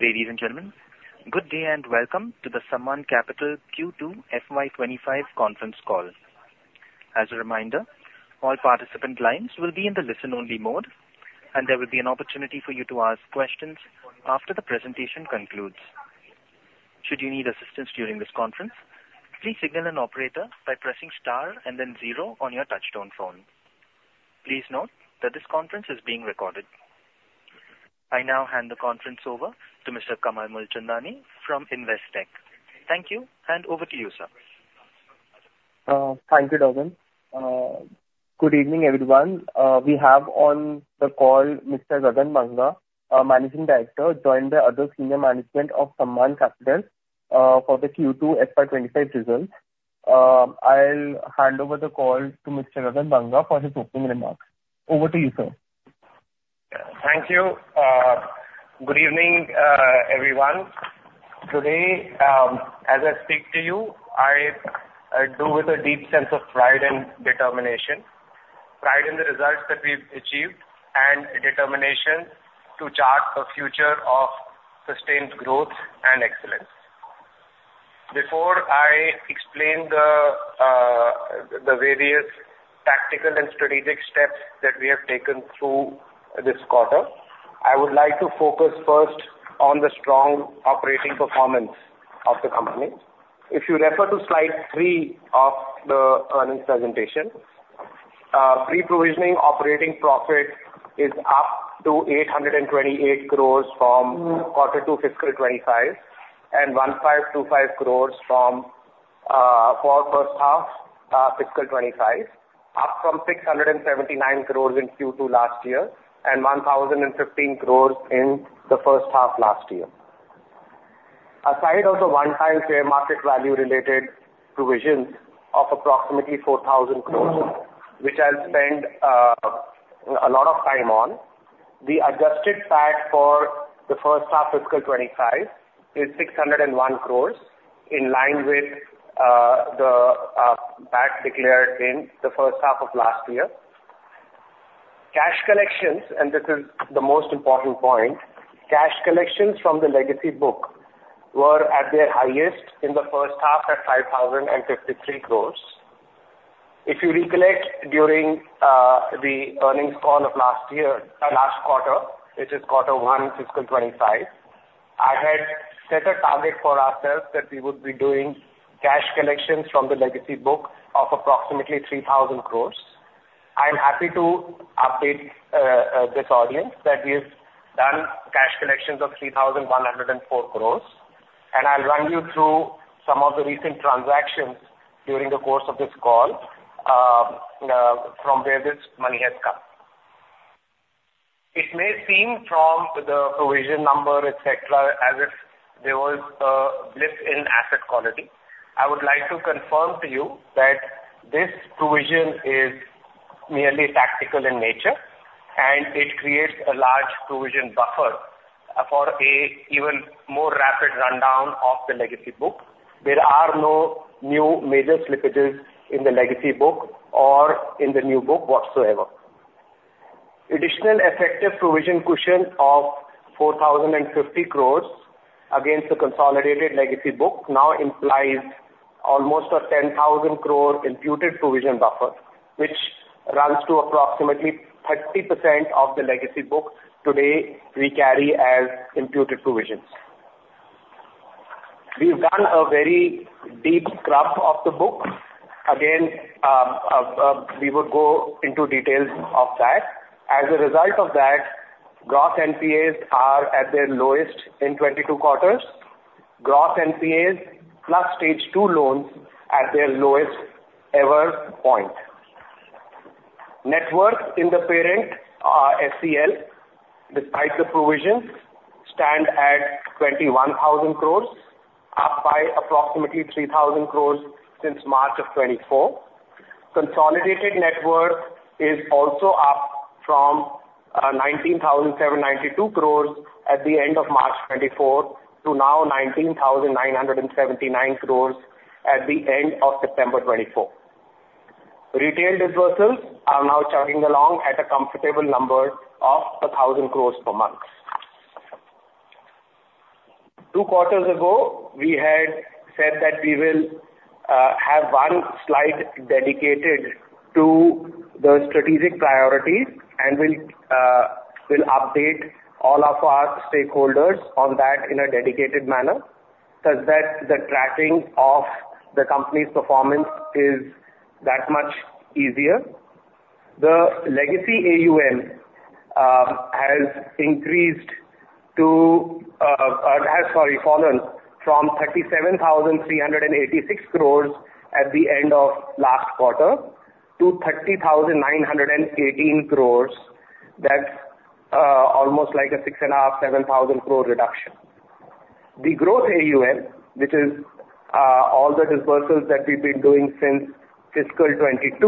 Ladies and gentlemen, good day and welcome to the Sammaan Capital Q2 FY25 conference call. As a reminder, all participant lines will be in the listen-only mode, and there will be an opportunity for you to ask questions after the presentation concludes. Should you need assistance during this conference, please signal an operator by pressing star and then zero on your touch-tone phone. Please note that this conference is being recorded. I now hand the conference over to Mr. Kamal Mulchandani from Investec. Thank you, and over to you, sir. Thank you, Darwin. Good evening, everyone. We have on the call Mr. Gagan Banga, Managing Director, joined by other senior management of Sammaan Capital for the Q2 FY25 results. I'll hand over the call to Mr. Gagan Banga for his opening remarks. Over to you, sir. Thank you. Good evening, everyone. Today, as I speak to you, I do with a deep sense of pride and determination. Pride in the results that we've achieved and determination to chart the future of sustained growth and excellence. Before I explain the various tactical and strategic steps that we have taken through this quarter, I would like to focus first on the strong operating performance of the company. If you refer to slide three of the earnings presentation, pre-provisioning operating profit is up to 828 crores from Q2 fiscal 25 and 1525 crores from first half fiscal 25, up from 679 crores in Q2 last year and 1,015 crores in the first half last year. Aside from the one-time fair market value related provisions of approximately 4,000 crores, which I'll spend a lot of time on, the adjusted PAT for the first half fiscal 25 is 601 crores, in line with the PAT declared in the first half of last year. Cash collections, and this is the most important point, cash collections from the legacy book were at their highest in the first half at 5,053 crores. If you recollect during the earnings call of last year, last quarter, which is quarter one fiscal 25, I had set a target for ourselves that we would be doing cash collections from the legacy book of approximately 3,000 crores. I'm happy to update this audience that we've done cash collections of 3,104 crores, and I'll run you through some of the recent transactions during the course of this call from where this money has come. It may seem from the provision number, etc., as if there was a blip in asset quality. I would like to confirm to you that this provision is merely tactical in nature, and it creates a large provision buffer for an even more rapid rundown of the legacy book. There are no new major slippages in the legacy book or in the new book whatsoever. Additional effective provision cushion of 4,050 crores against the consolidated legacy book now implies almost a 10,000 crore imputed provision buffer, which runs to approximately 30% of the legacy book, today we carry as imputed provisions. We've done a very deep scrub of the book. Again, we will go into details of that. As a result of that, gross NPAs are at their lowest in 22 quarters. Gross NPAs plus Stage 2 loans at their lowest ever point. Net worth in the parent SCL, despite the provisions, stands at 21,000 crores, up by approximately 3,000 crores since March of 2024. Consolidated net worth is also up from 19,792 crores at the end of March 2024 to now 19,979 crores at the end of September 2024. Retail disbursements are now chugging along at a comfortable number of 1,000 crores per month. Two quarters ago, we had said that we will have one slide dedicated to the strategic priorities and will update all of our stakeholders on that in a dedicated manner such that the tracking of the company's performance is that much easier. The legacy AUM has increased to, sorry, fallen from 37,386 crores at the end of last quarter to 30,918 crores. That's almost like a 6,500 crore - 7,000 crore reduction. The growth AUM, which is all the disbursements that we've been doing since fiscal 2022,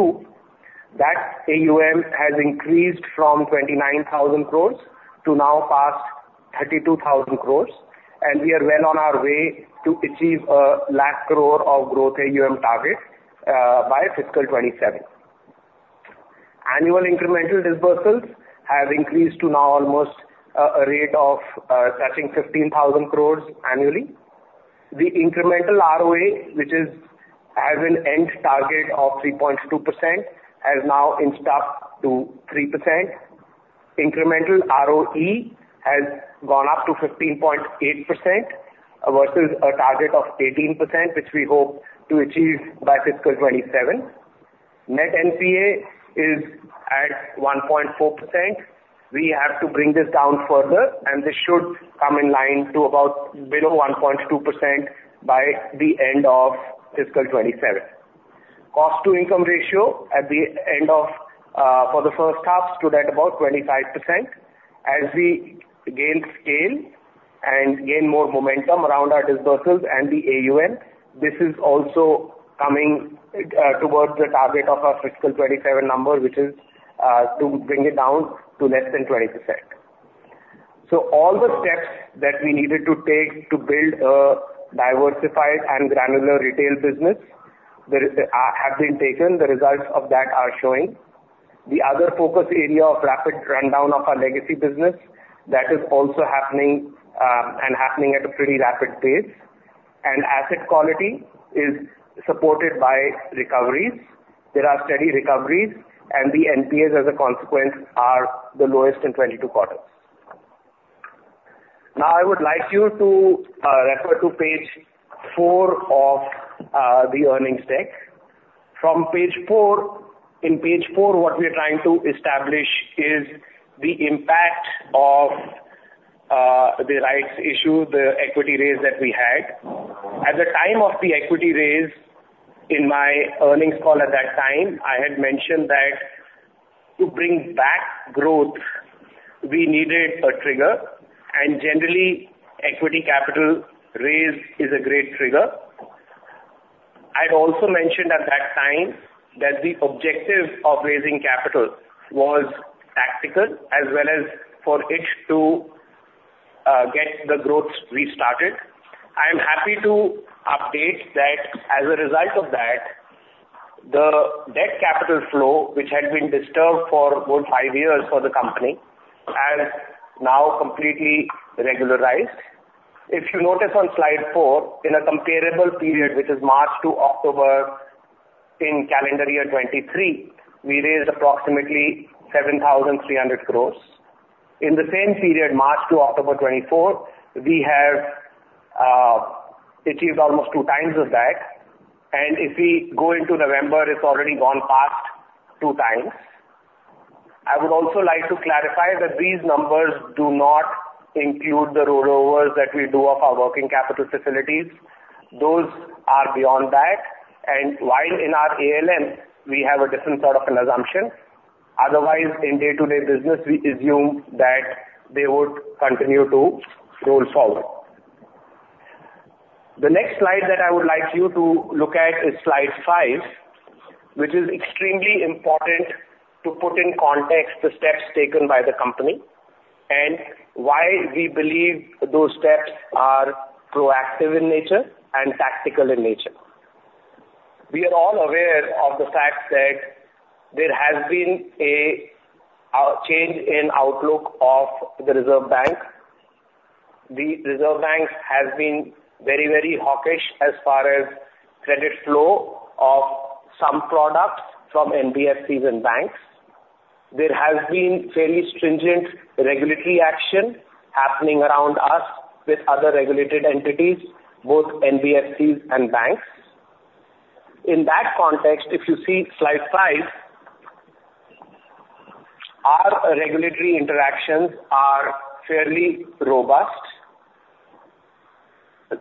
that AUM has increased from 29,000 crores to now past 32,000 crores, and we are well on our way to achieve a lakh crore of growth AUM target by fiscal 2027. Annual incremental disbursements have increased to now almost a rate of touching 15,000 crores annually. The incremental ROA, which has an end target of 3.2%, has now increased to 3%. Incremental ROE has gone up to 15.8% versus a target of 18%, which we hope to achieve by fiscal 2027. Net NPA is at 1.4%. We have to bring this down further, and this should come in line to about below 1.2% by the end of fiscal 2027. Cost-to-income ratio at the end of the first half stood at about 25%. As we gain scale and gain more momentum around our disbursements and the AUM, this is also coming towards the target of our fiscal 2027 number, which is to bring it down to less than 20%. So all the steps that we needed to take to build a diversified and granular retail business have been taken. The results of that are showing. The other focus area of rapid rundown of our legacy business, that is also happening and happening at a pretty rapid pace, and asset quality is supported by recoveries. There are steady recoveries, and the NPAs, as a consequence, are the lowest in 22 quarters. Now, I would like you to refer to page four of the earnings deck. From page four, in page four, what we are trying to establish is the impact of the rights issue, the equity raise that we had. At the time of the equity raise, in my earnings call at that time, I had mentioned that to bring back growth, we needed a trigger, and generally, equity capital raise is a great trigger. I'd also mentioned at that time that the objective of raising capital was tactical as well as for it to get the growth restarted. I'm happy to update that as a result of that, the debt capital flow, which had been disturbed for over five years for the company, has now completely regularized. If you notice on slide four, in a comparable period, which is March to October in calendar year 2023, we raised approximately 7,300 crores. In the same period, March to October 2024, we have achieved almost two times of that, and if we go into November, it's already gone past two times. I would also like to clarify that these numbers do not include the rollovers that we do of our working capital facilities. Those are beyond that, and while in our ALM, we have a different sort of an assumption. Otherwise, in day-to-day business, we assume that they would continue to roll forward. The next slide that I would like you to look at is slide five, which is extremely important to put in context the steps taken by the company and why we believe those steps are proactive in nature and tactical in nature. We are all aware of the fact that there has been a change in outlook of the Reserve Bank. The Reserve Bank has been very, very hawkish as far as credit flow of some products from NBFCs and banks. There has been fairly stringent regulatory action happening around us with other regulated entities, both NBFCs and banks. In that context, if you see slide five, our regulatory interactions are fairly robust.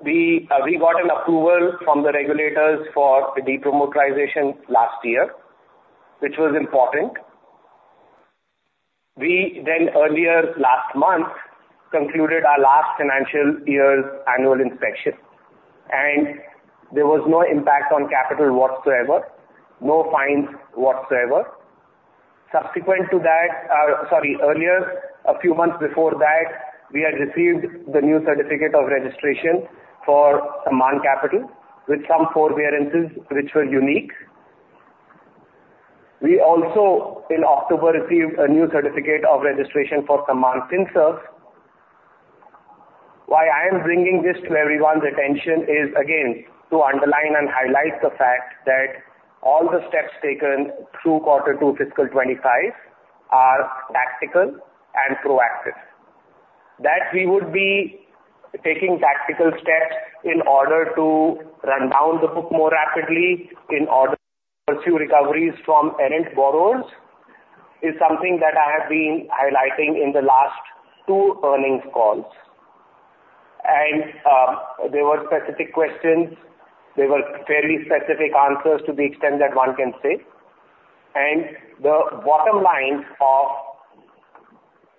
We got an approval from the regulators for the depromoterization last year, which was important. We then earlier last month concluded our last financial year's annual inspection, and there was no impact on capital whatsoever, no fines whatsoever. Subsequent to that, sorry, earlier, a few months before that, we had received the new certificate of registration for Sammaan Capital with some forbearances, which were unique. We also, in October, received a new certificate of registration for Sammaan Finserve. Why I am bringing this to everyone's attention is, again, to underline and highlight the fact that all the steps taken through quarter two fiscal 2025 are tactical and proactive. That we would be taking tactical steps in order to run down the book more rapidly in order to pursue recoveries from errant borrowers is something that I have been highlighting in the last two earnings calls, and there were specific questions. There were fairly specific answers to the extent that one can say, and the bottom line of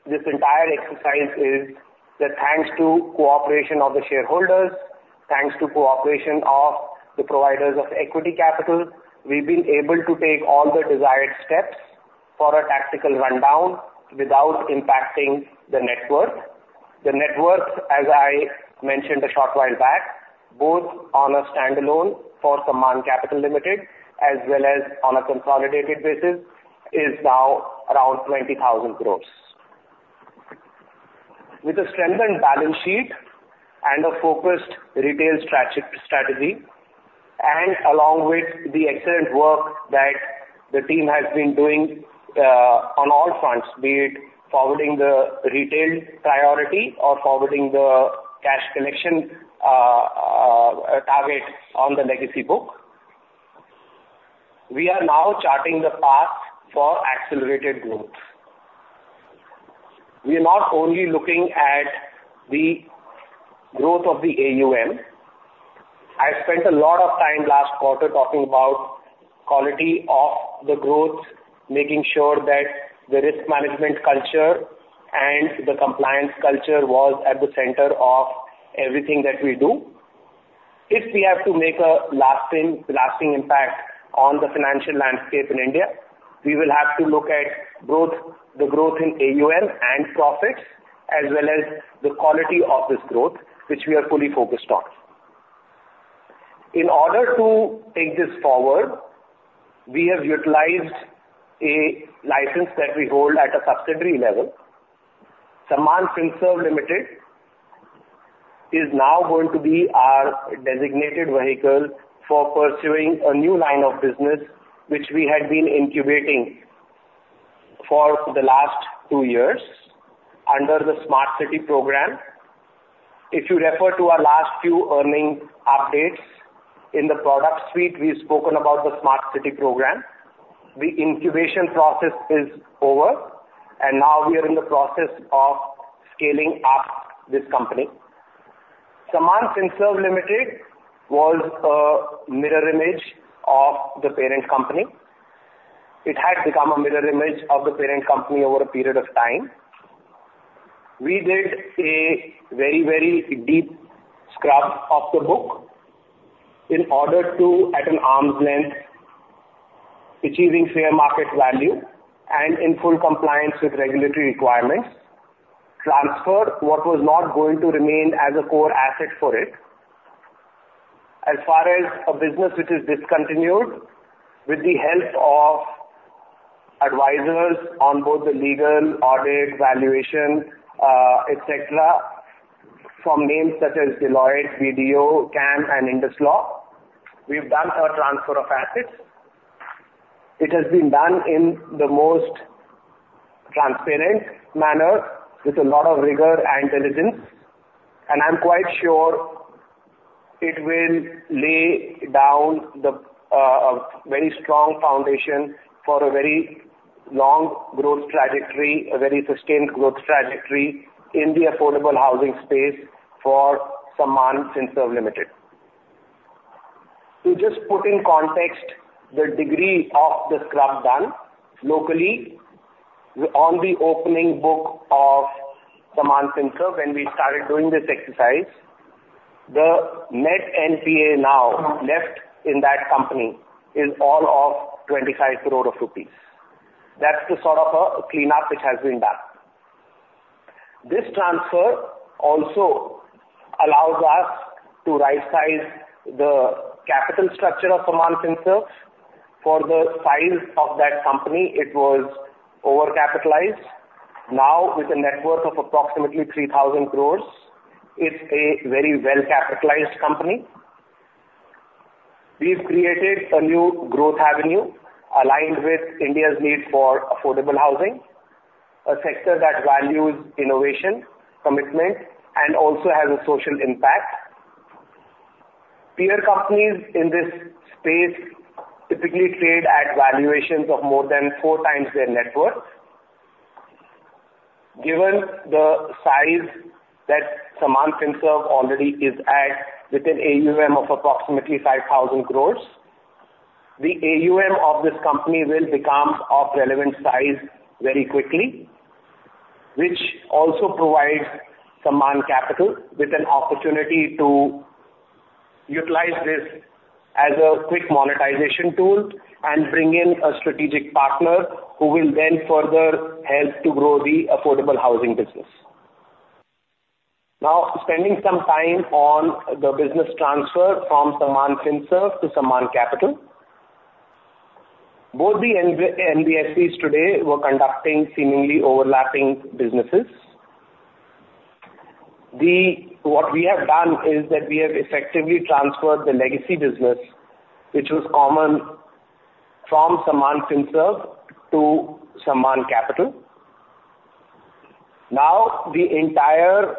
this entire exercise is that thanks to cooperation of the shareholders, thanks to cooperation of the providers of equity capital, we've been able to take all the desired steps for a tactical rundown without impacting the net worth. The net worth, as I mentioned a short while back, both on a standalone for Sammaan Capital Limited as well as on a consolidated basis, is now around 20,000 crores. With a strengthened balance sheet and a focused retail strategy, and along with the excellent work that the team has been doing on all fronts, be it forwarding the retail priority or forwarding the cash collection target on the legacy book, we are now charting the path for accelerated growth. We are not only looking at the growth of the AUM. I spent a lot of time last quarter talking about quality of the growth, making sure that the risk management culture and the compliance culture was at the center of everything that we do. If we have to make a lasting impact on the financial landscape in India, we will have to look at both the growth in AUM and profits as well as the quality of this growth, which we are fully focused on. In order to take this forward, we have utilized a license that we hold at a subsidiary level. Sammaan Finserve Limited is now going to be our designated vehicle for pursuing a new line of business, which we had been incubating for the last two years under the Smart City Program. If you refer to our last few earnings updates in the product suite, we've spoken about the Smart City Program. The incubation process is over, and now we are in the process of scaling up this company. Sammaan Finserve Limited was a mirror image of the parent company. It had become a mirror image of the parent company over a period of time. We did a very, very deep scrub of the book in order to, at an arm's length, achieve fair market value and, in full compliance with regulatory requirements, transfer what was not going to remain as a core asset for it. As far as a business which is discontinued with the help of advisors on both the legal, audit, valuation, etc., from names such as Deloitte, BDO, CAM, and IndusLaw, we've done a transfer of assets. It has been done in the most transparent manner with a lot of rigor and diligence. And I'm quite sure it will lay down a very strong foundation for a very long growth trajectory, a very sustained growth trajectory in the affordable housing space for Sammaan Finserve Limited. To just put in context the degree of the scrub done locally on the opening book of Sammaan Finserve, when we started doing this exercise, the net NPA now left in that company is all of 25 crores of rupees. That's the sort of a cleanup which has been done. This transfer also allows us to right-size the capital structure of Sammaan Finserve. For the size of that company, it was over-capitalized. Now, with a net worth of approximately 3,000 crores, it's a very well-capitalized company. We've created a new growth avenue aligned with India's need for affordable housing, a sector that values innovation, commitment, and also has a social impact. Peer companies in this space typically trade at valuations of more than four times their net worth. Given the size that Sammaan Finserve already is at with an AUM of approximately 5,000 crores, the AUM of this company will become of relevant size very quickly, which also provides Sammaan Capital with an opportunity to utilize this as a quick monetization tool and bring in a strategic partner who will then further help to grow the affordable housing business. Now, spending some time on the business transfer from Sammaan Finserve to Sammaan Capital, both the NBFCs today were conducting seemingly overlapping businesses. What we have done is that we have effectively transferred the legacy business, which was common from Sammaan Finserve to Sammaan Capital. Now, the entire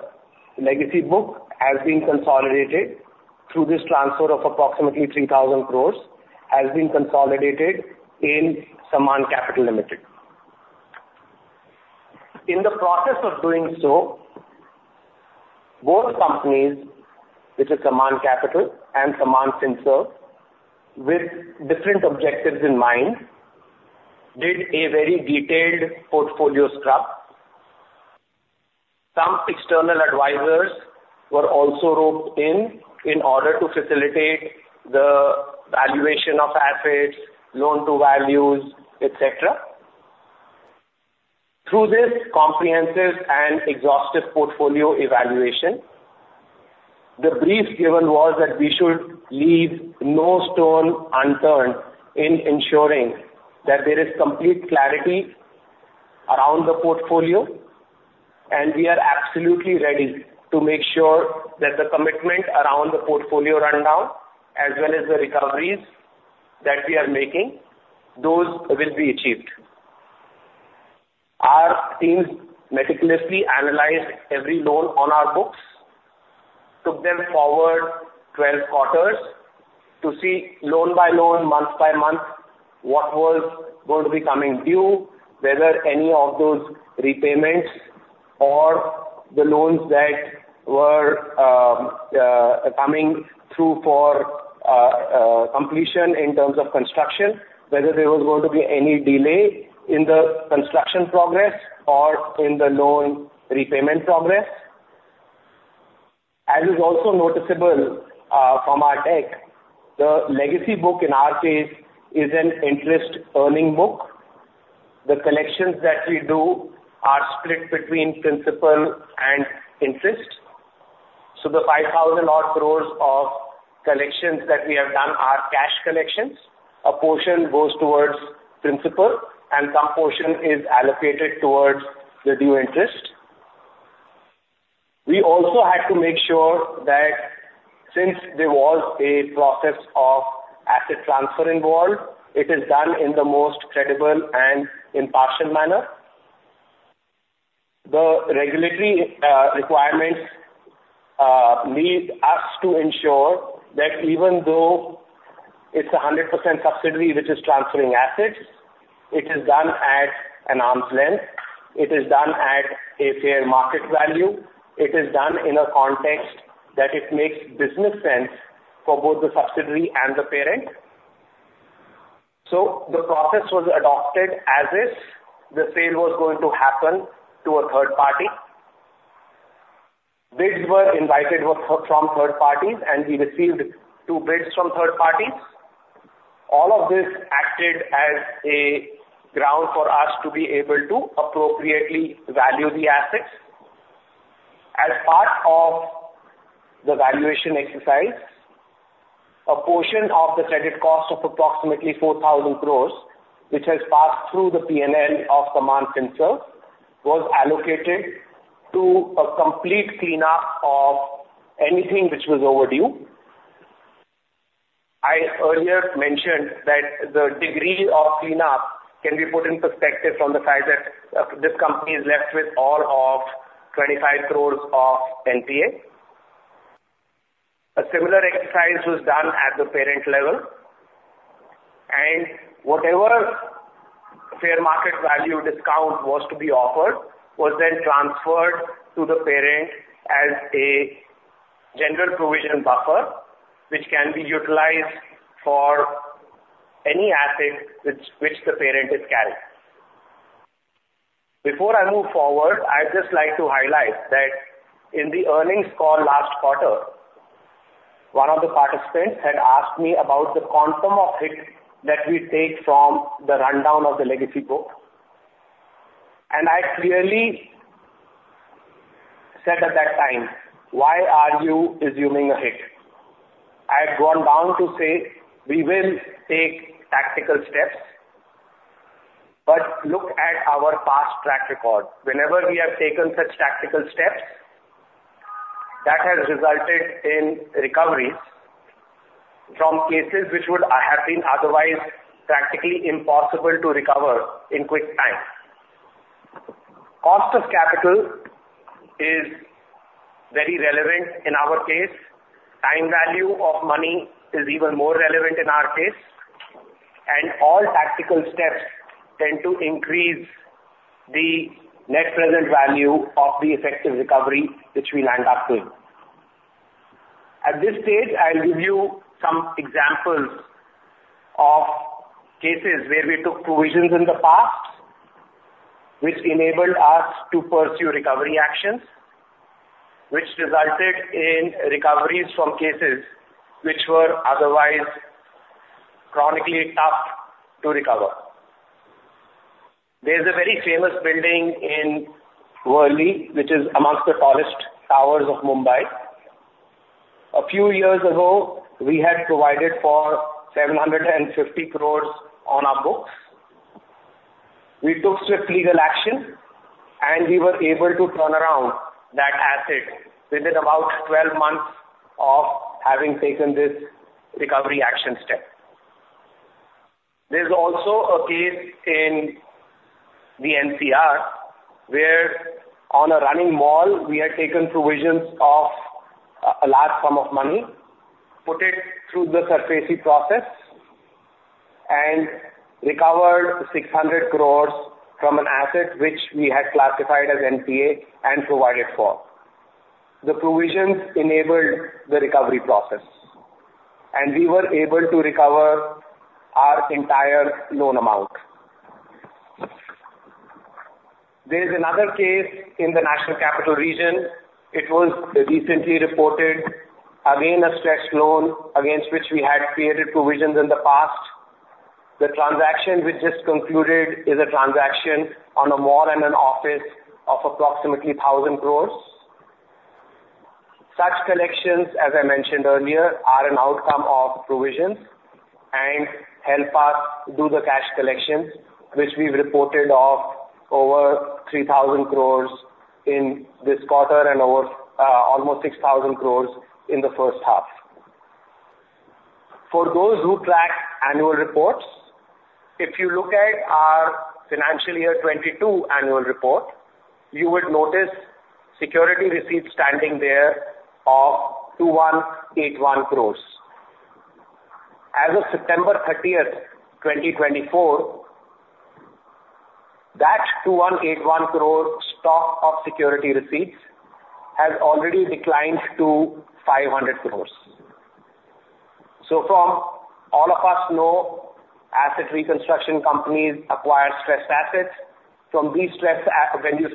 legacy book has been consolidated through this transfer of approximately 3,000 crores in Sammaan Capital Limited. In the process of doing so, both companies, which are Sammaan Capital and Sammaan Finserve, with different objectives in mind, did a very detailed portfolio scrub. Some external advisors were also roped in order to facilitate the valuation of assets, loan-to-values, etc. Through this comprehensive and exhaustive portfolio evaluation, the brief given was that we should leave no stone unturned in ensuring that there is complete clarity around the portfolio, and we are absolutely ready to make sure that the commitment around the portfolio rundown as well as the recoveries that we are making, those will be achieved. Our team meticulously analyzed every loan on our books, took them forward 12 quarters to see loan by loan, month by month, what was going to be coming due, whether any of those repayments or the loans that were coming through for completion in terms of construction, whether there was going to be any delay in the construction progress or in the loan repayment progress. As is also noticeable from our deck, the legacy book in our case is an interest earning book. The collections that we do are split between principal and interest. So the 5,000-odd crores of collections that we have done are cash collections. A portion goes towards principal, and some portion is allocated towards the due interest. We also had to make sure that since there was a process of asset transfer involved, it is done in the most credible and impartial manner. The regulatory requirements need us to ensure that even though it's a 100% subsidiary which is transferring assets, it is done at an arm's length. It is done at a fair market value. It is done in a context that it makes business sense for both the subsidiary and the parent. So the process was adopted as if the sale was going to happen to a third party. Bids were invited from third parties, and we received two bids from third parties. All of this acted as a ground for us to be able to appropriately value the assets. As part of the valuation exercise, a portion of the credit cost of approximately 4,000 crores, which has passed through the P&L of Sammaan Finserve, was allocated to a complete cleanup of anything which was overdue. I earlier mentioned that the degree of cleanup can be put in perspective from the fact that this company is left with all of 25 crores of NPA. A similar exercise was done at the parent level, and whatever fair market value discount was to be offered was then transferred to the parent as a general provision buffer, which can be utilized for any asset which the parent is carrying. Before I move forward, I'd just like to highlight that in the earnings call last quarter, one of the participants had asked me about the quantum of hit that we take from the rundown of the legacy book, and I clearly said at that time, "Why are you assuming a hit?" I had gone down to say, "We will take tactical steps, but look at our past track record. Whenever we have taken such tactical steps, that has resulted in recoveries from cases which would have been otherwise practically impossible to recover in quick time. Cost of capital is very relevant in our case. Time value of money is even more relevant in our case. And all tactical steps tend to increase the net present value of the effective recovery which we land up with. At this stage, I'll give you some examples of cases where we took provisions in the past which enabled us to pursue recovery actions, which resulted in recoveries from cases which were otherwise chronically tough to recover. There's a very famous building in Worli, which is among the tallest towers of Mumbai. A few years ago, we had provided for 750 crores on our books. We took swift legal action, and we were able to turn around that asset within about 12 months of having taken this recovery action step. There's also a case in the NCR where, on a running mall, we had taken provisions of a large sum of money, put it through the SARFAESI process, and recovered 600 crore from an asset which we had classified as NPA and provided for. The provisions enabled the recovery process, and we were able to recover our entire loan amount. There's another case in the National Capital Region. It was the recently reported, again, a stress loan against which we had created provisions in the past. The transaction which just concluded is a transaction on a mall and an office of approximately 1,000 crore. Such collections, as I mentioned earlier, are an outcome of provisions and help us do the cash collections, which we've reported of over 3,000 crores in this quarter and almost 6,000 crores in the first half. For those who track annual reports, if you look at our financial year 2022 annual report, you would notice security receipts standing there of 2,181 crores. As of September 30th, 2024, that 2,181 crore stock of security receipts has already declined to 500 crores. So far, all of us know asset reconstruction companies acquire stressed assets. When you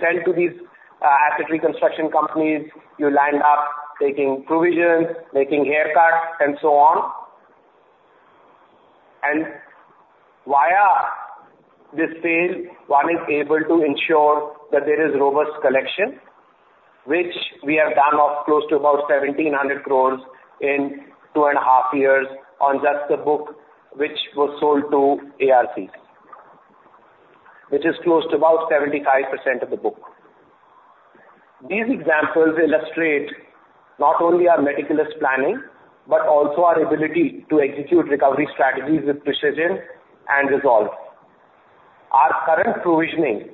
sell to these asset reconstruction companies, you land up taking provisions, making haircuts, and so on. And via this sale, one is able to ensure that there is robust collection, which we have done of close to about 1,700 crores in two and a half years on just the book which was sold to ARC, which is close to about 75% of the book. These examples illustrate not only our meticulous planning but also our ability to execute recovery strategies with precision and resolve. Our current provisioning,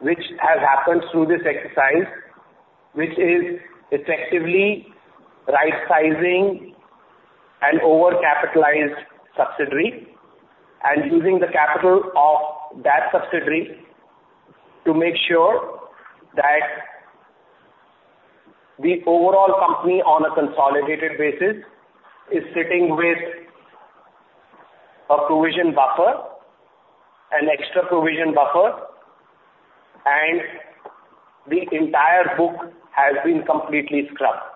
which has happened through this exercise, which is effectively right-sizing an over-capitalized subsidiary and using the capital of that subsidiary to make sure that the overall company on a consolidated basis is sitting with a provision buffer, an extra provision buffer, and the entire book has been completely scrubbed.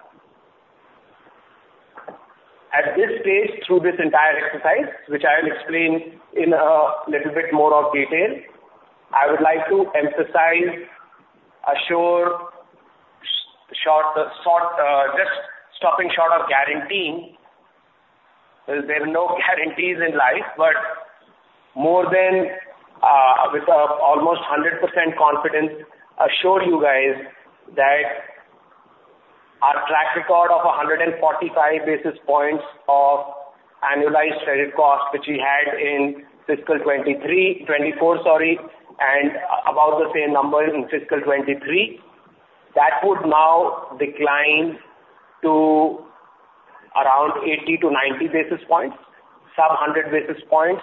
At this stage, through this entire exercise, which I'll explain in a little bit more detail, I would like to emphasize I'm stopping short of guaranteeing. There are no guarantees in life, but more than with almost 100% confidence, I assure you guys that our track record of 145 basis points of annualized credit cost, which we had in fiscal 2024, sorry, and about the same number in fiscal 2023, that would now decline to around 80 to 90 basis points, sub-100 basis points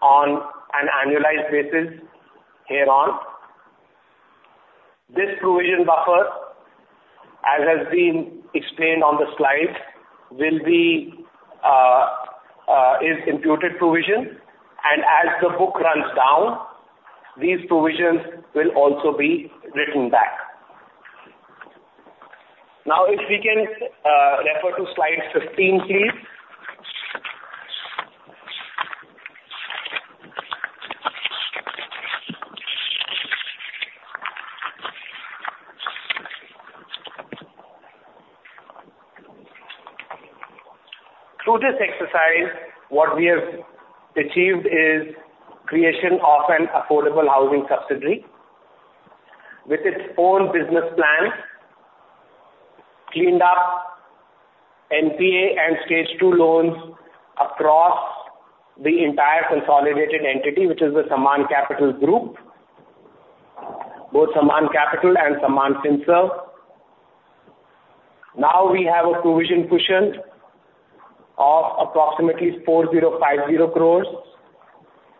on an annualized basis here on. This provision buffer, as has been explained on the slide, is imputed provision, and as the book runs down, these provisions will also be written back. Now, if we can refer to slide 15, please. Through this exercise, what we have achieved is creation of an affordable housing subsidiary with its own business plan, cleaned up NPA and stage two loans across the entire consolidated entity, which is the Sammaan Capital Group, both Sammaan Capital and Sammaan Finserve. Now, we have a provision cushion of approximately 4,050 crores.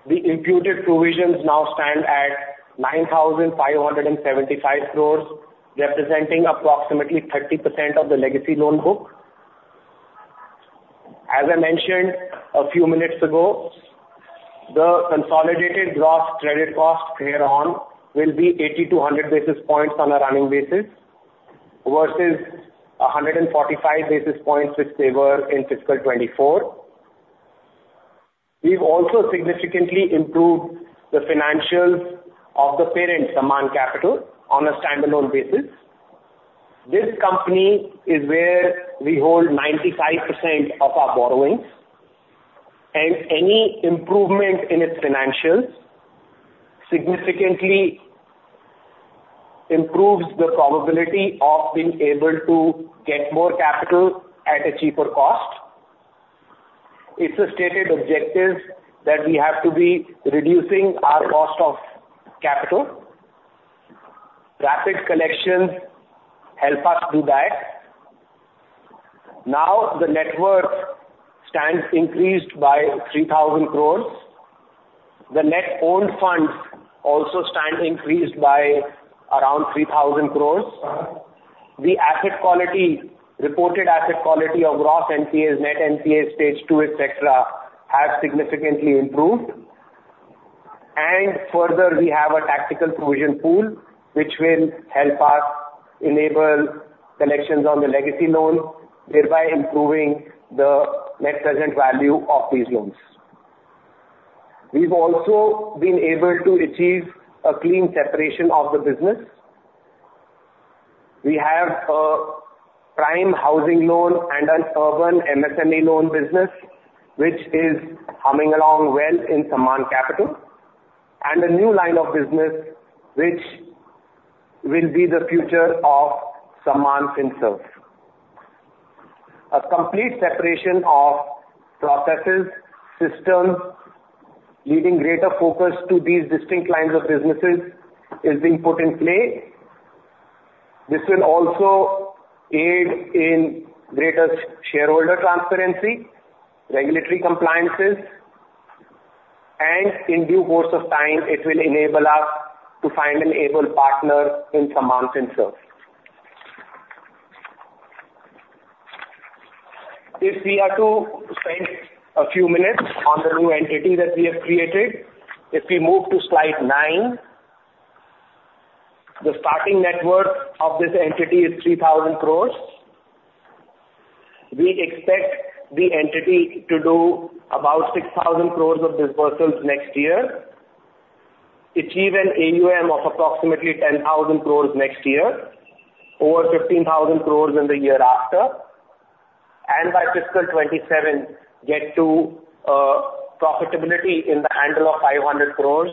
The imputed provisions now stand at 9,575 crores, representing approximately 30% of the legacy loan book. As I mentioned a few minutes ago, the consolidated gross credit cost here on will be 80 to 100 basis points on a running basis versus 145 basis points which they were in fiscal 2024. We've also significantly improved the financials of the parent Sammaan Capital on a standalone basis. This company is where we hold 95% of our borrowings, and any improvement in its financials significantly improves the probability of being able to get more capital at a cheaper cost. It's a stated objective that we have to be reducing our cost of capital. Rapid collections help us do that. Now, the net worth stands increased by 3,000 crores. The net owned funds also stand increased by around 3,000 crores. The reported asset quality of gross NPAs, net NPAs, stage two, etc., has significantly improved, and further, we have a tactical provision pool which will help us enable collections on the legacy loan, thereby improving the net present value of these loans. We've also been able to achieve a clean separation of the business. We have a prime housing loan and an urban MSME loan business, which is humming along well in Sammaan Capital, and a new line of business which will be the future of Sammaan Finserve. A complete separation of processes, systems, leading greater focus to these distinct lines of businesses is being put in play. This will also aid in greater shareholder transparency, regulatory compliances, and in due course of time, it will enable us to find an able partner in Sammaan Finserve. If we are to spend a few minutes on the new entity that we have created, if we move to slide nine, the starting net worth of this entity is 3,000 crores. We expect the entity to do about 6,000 crores of disbursals next year, achieve an AUM of approximately 10,000 crores next year, over 15,000 crores in the year after, and by fiscal 2027 get to profitability in the handle of 500 crores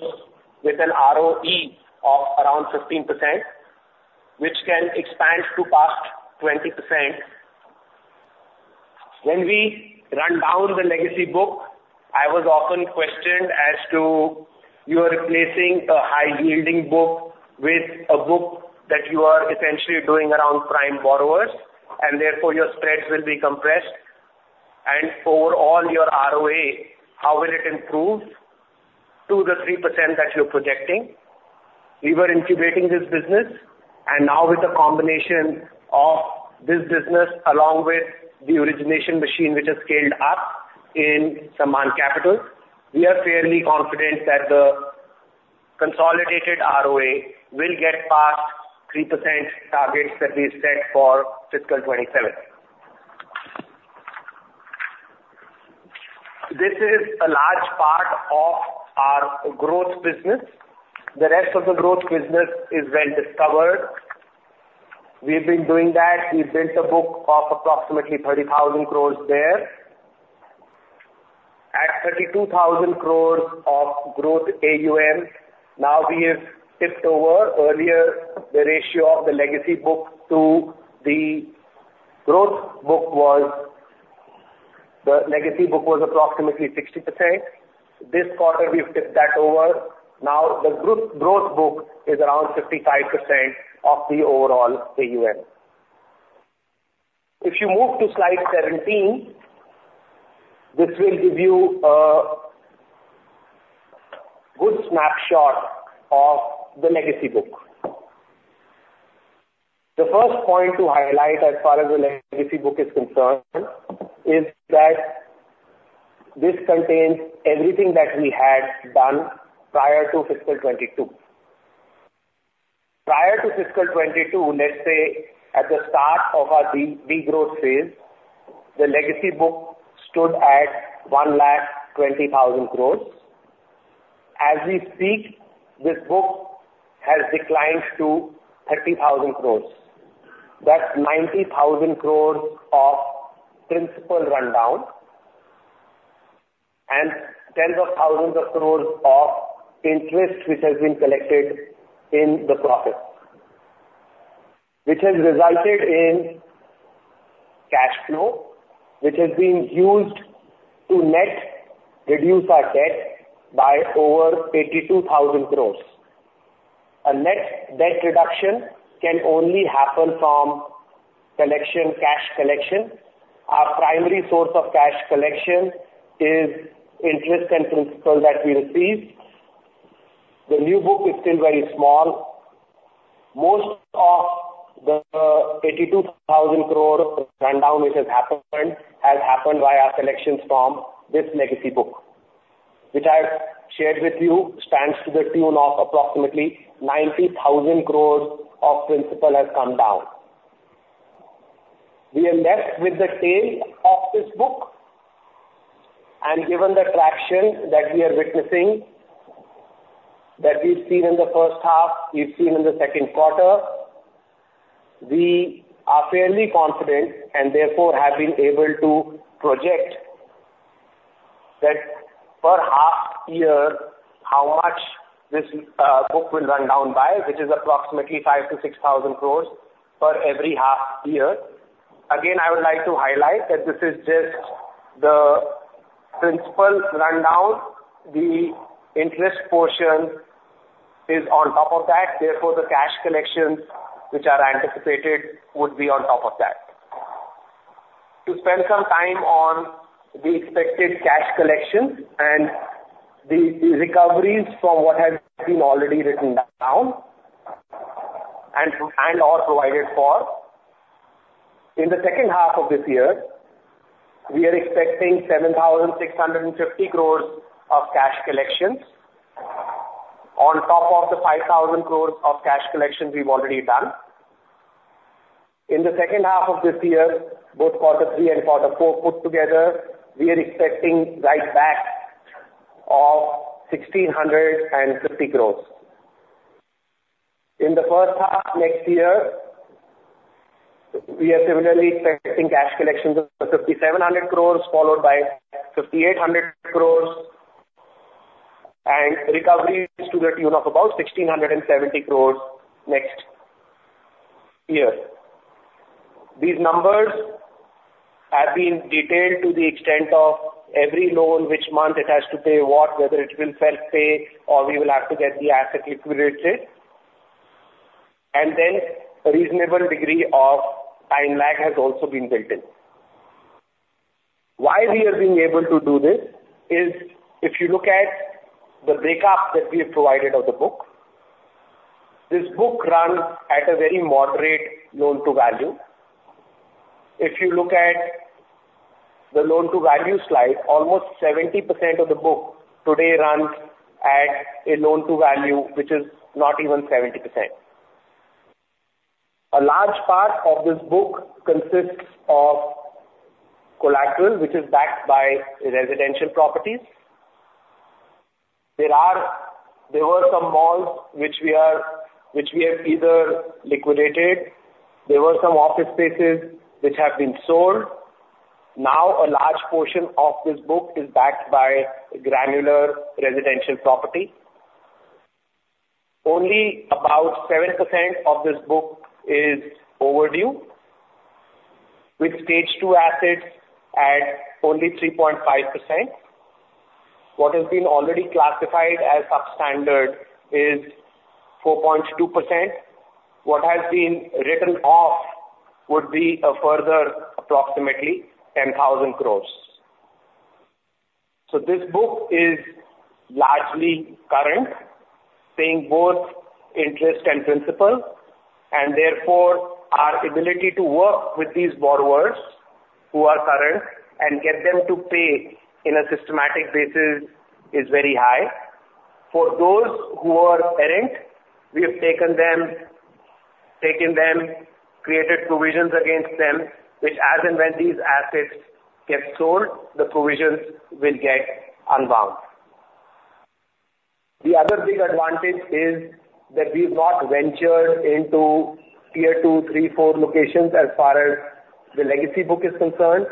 with an ROE of around 15%, which can expand to past 20%. When we run down the legacy book, I was often questioned as to, "You are replacing a high-yielding book with a book that you are essentially doing around prime borrowers, and therefore your spreads will be compressed. And overall, your ROE, how will it improve to the 3% that you're projecting?" We were incubating this business, and now with the combination of this business along with the origination machine, which has scaled up in Sammaan Capital, we are fairly confident that the consolidated ROE will get past 3% targets that we set for fiscal 2027. This is a large part of our growth business. The rest of the growth business is well-discovered. We've been doing that. We've built a book of approximately 30,000 crores there. At 32,000 crores of growth AUM, now we have tipped over. Earlier the ratio of the legacy book to the growth book was approximately 60%. This quarter, we've tipped that over. Now, the growth book is around 55% of the overall AUM. If you move to slide 17, this will give you a good snapshot of the legacy book. The first point to highlight as far as the legacy book is concerned is that this contains everything that we had done prior to fiscal 2022. Prior to fiscal 2022, let's say at the start of our regrowth phase, the legacy book stood at 120,000 crores. As we speak, this book has declined to 30,000 crores. That's 90,000 crores of principal rundown and tens of thousands of crores of interest which has been collected in the profits, which has resulted in cash flow which has been used to net reduce our debt by over 82,000 crores. A net debt reduction can only happen from cash collection. Our primary source of cash collection is interest and principal that we receive. The new book is still very small. Most of the 82,000 crore rundown which has happened has happened via selections from this legacy book, which I've shared with you, stands to the tune of approximately 90,000 crores of principal has come down. We are left with the tail of this book, and given the traction that we are witnessing, that we've seen in the first half, we've seen in the second quarter, we are fairly confident and therefore have been able to project that per half year, how much this book will run down by, which is approximately 5 crores-6,000 crores for every half year. Again, I would like to highlight that this is just the principal rundown. The interest portion is on top of that. Therefore, the cash collections which are anticipated would be on top of that. To spend some time on the expected cash collections and the recoveries from what has been already written down and/or provided for, in the second half of this year, we are expecting 7,650 crores of cash collections on top of the 5,000 crores of cash collections we've already done. In the second half of this year, both quarter three and quarter four put together, we are expecting write-back of 1,650 crores. In the first half next year, we are similarly expecting cash collections of 5,700 crores, followed by 5,800 crores, and recoveries to the tune of about 1,670 crores next year. These numbers have been detailed to the extent of every loan which month it has to pay what, whether it will self-pay or we will have to get the asset liquidated, and then a reasonable degree of time lag has also been built in. Why we are being able to do this is if you look at the breakup that we have provided of the book. This book runs at a very moderate loan-to-value. If you look at the loan-to-value slide, almost 70% of the book today runs at a loan-to-value which is not even 70%. A large part of this book consists of collateral, which is backed by residential properties. There were some malls which we have either liquidated. There were some office spaces which have been sold. Now, a large portion of this book is backed by granular residential property. Only about 7% of this book is overdue, with stage two assets at only 3.5%. What has been already classified as substandard is 4.2%. What has been written off would be a further approximately 10,000 crores. So this book is largely current, paying both interest and principal, and therefore our ability to work with these borrowers who are current and get them to pay in a systematic basis is very high. For those who are parent, we have taken them, created provisions against them, which as and when these assets get sold, the provisions will get unbound. The other big advantage is that we've not ventured into tier two, three, four locations as far as the legacy book is concerned.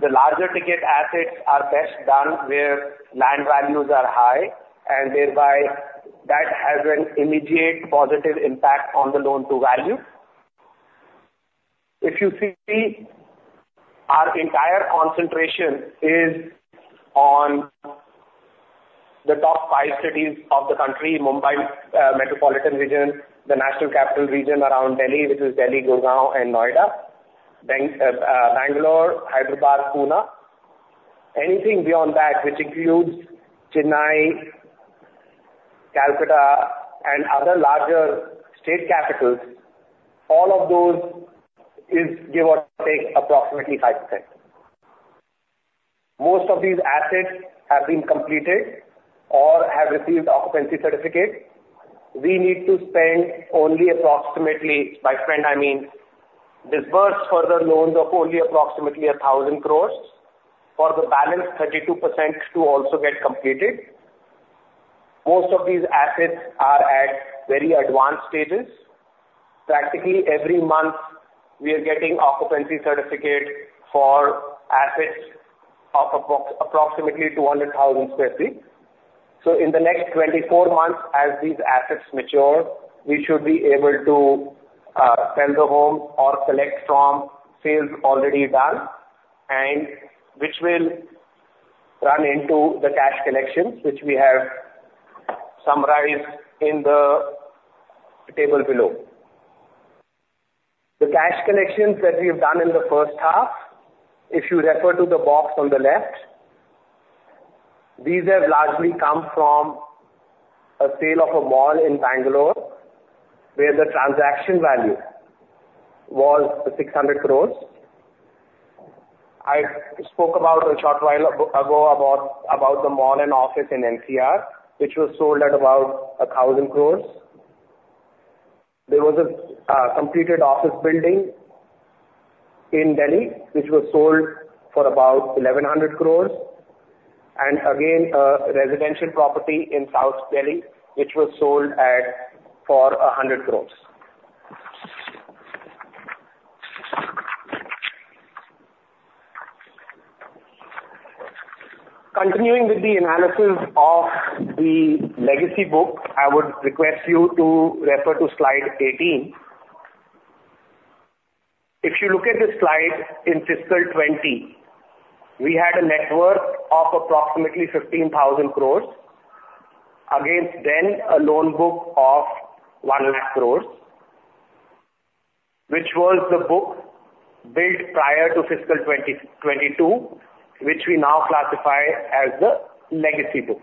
The larger ticket assets are best done where land values are high, and thereby that has an immediate positive impact on the loan-to-value. If you see, our entire concentration is on the top five cities of the country, Mumbai Metropolitan Region, the National Capital Region around Delhi, which is Delhi, Gurgaon, and Noida, Bangalore, Hyderabad, Pune. Anything beyond that, which includes Chennai, Calcutta, and other larger state capitals, all of those is, give or take, approximately 5%. Most of these assets have been completed or have received occupancy certificates. We need to spend only approximately by spend, I mean, disburse further loans of only approximately 1,000 crores for the balance 32% to also get completed. Most of these assets are at very advanced stages. Practically every month, we are getting occupancy certificate for assets of approximately 200,000 sq ft. So in the next 24 months, as these assets mature, we should be able to sell the home or collect from sales already done, which will run into the cash collections, which we have summarized in the table below. The cash collections that we have done in the first half, if you refer to the box on the left, these have largely come from a sale of a mall in Bangalore, where the transaction value was 600 crores. I spoke about a short while ago about the mall and office in NCR, which was sold at about 1,000 crores. There was a completed office building in Delhi, which was sold for about 1,100 crores, and again, a residential property in South Delhi, which was sold for 100 crores. Continuing with the analysis of the legacy book, I would request you to refer to slide 18. If you look at the slide in fiscal 2020, we had a net worth of approximately 15,000 crores against then a loan book of 100,000 crores, which was the book built prior to fiscal 2022, which we now classify as the legacy book.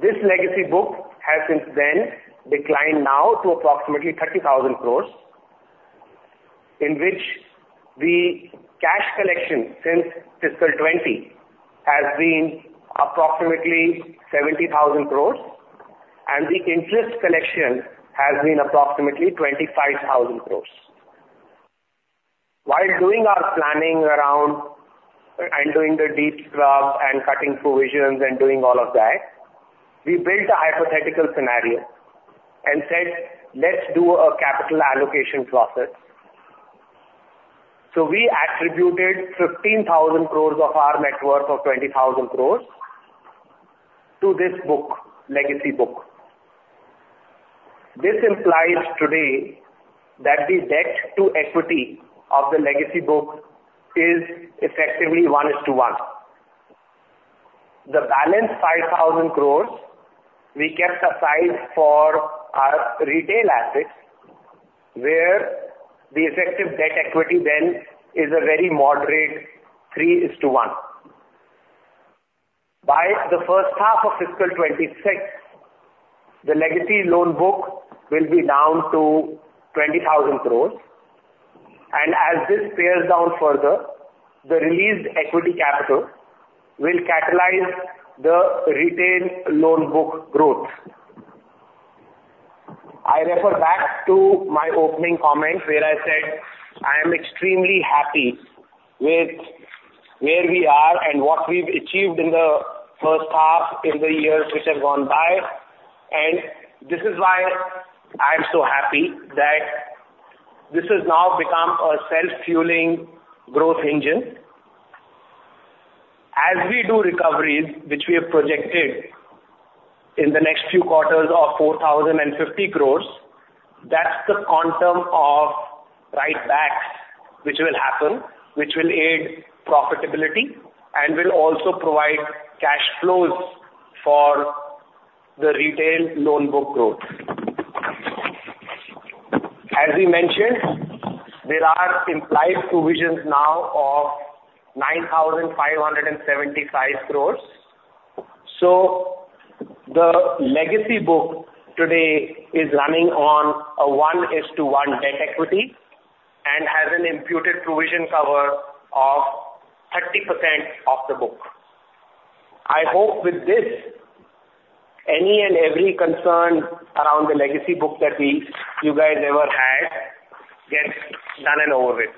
This legacy book has since then declined now to approximately 30,000 crores, in which the cash collection since fiscal 2020 has been approximately 70,000 crores, and the interest collection has been approximately 25,000 crores. While doing our planning around and doing the deep scrub and cutting provisions and doing all of that, we built a hypothetical scenario and said, "Let's do a capital allocation process." So we attributed 15,000 crores of our net worth of 20,000 crores to this book, legacy book. This implies today that the debt-to-equity of the legacy book is effectively 1:1. The balance 5,000 crores, we kept aside for our retail assets, where the effective debt-equity then is a very moderate 3:1. By the first half of fiscal 2026, the legacy loan book will be down to 20,000 crores. And as this runs down further, the released equity capital will catalyze the retail loan book growth. I refer back to my opening comment where I said, "I am extremely happy with where we are and what we've achieved in the first half in the years which have gone by." And this is why I'm so happy that this has now become a self-fueling growth engine. As we do recoveries, which we have projected in the next few quarters of 4,050 crores, that's the quantum of write-back which will happen, which will aid profitability and will also provide cash flows for the retail loan book growth. As we mentioned, there are implied provisions now of 9,575 crores. So the legacy book today is running on a 1:1 debt-equity and has an imputed provision cover of 30% of the book. I hope with this, any and every concern around the legacy book that you guys ever had gets done and over with.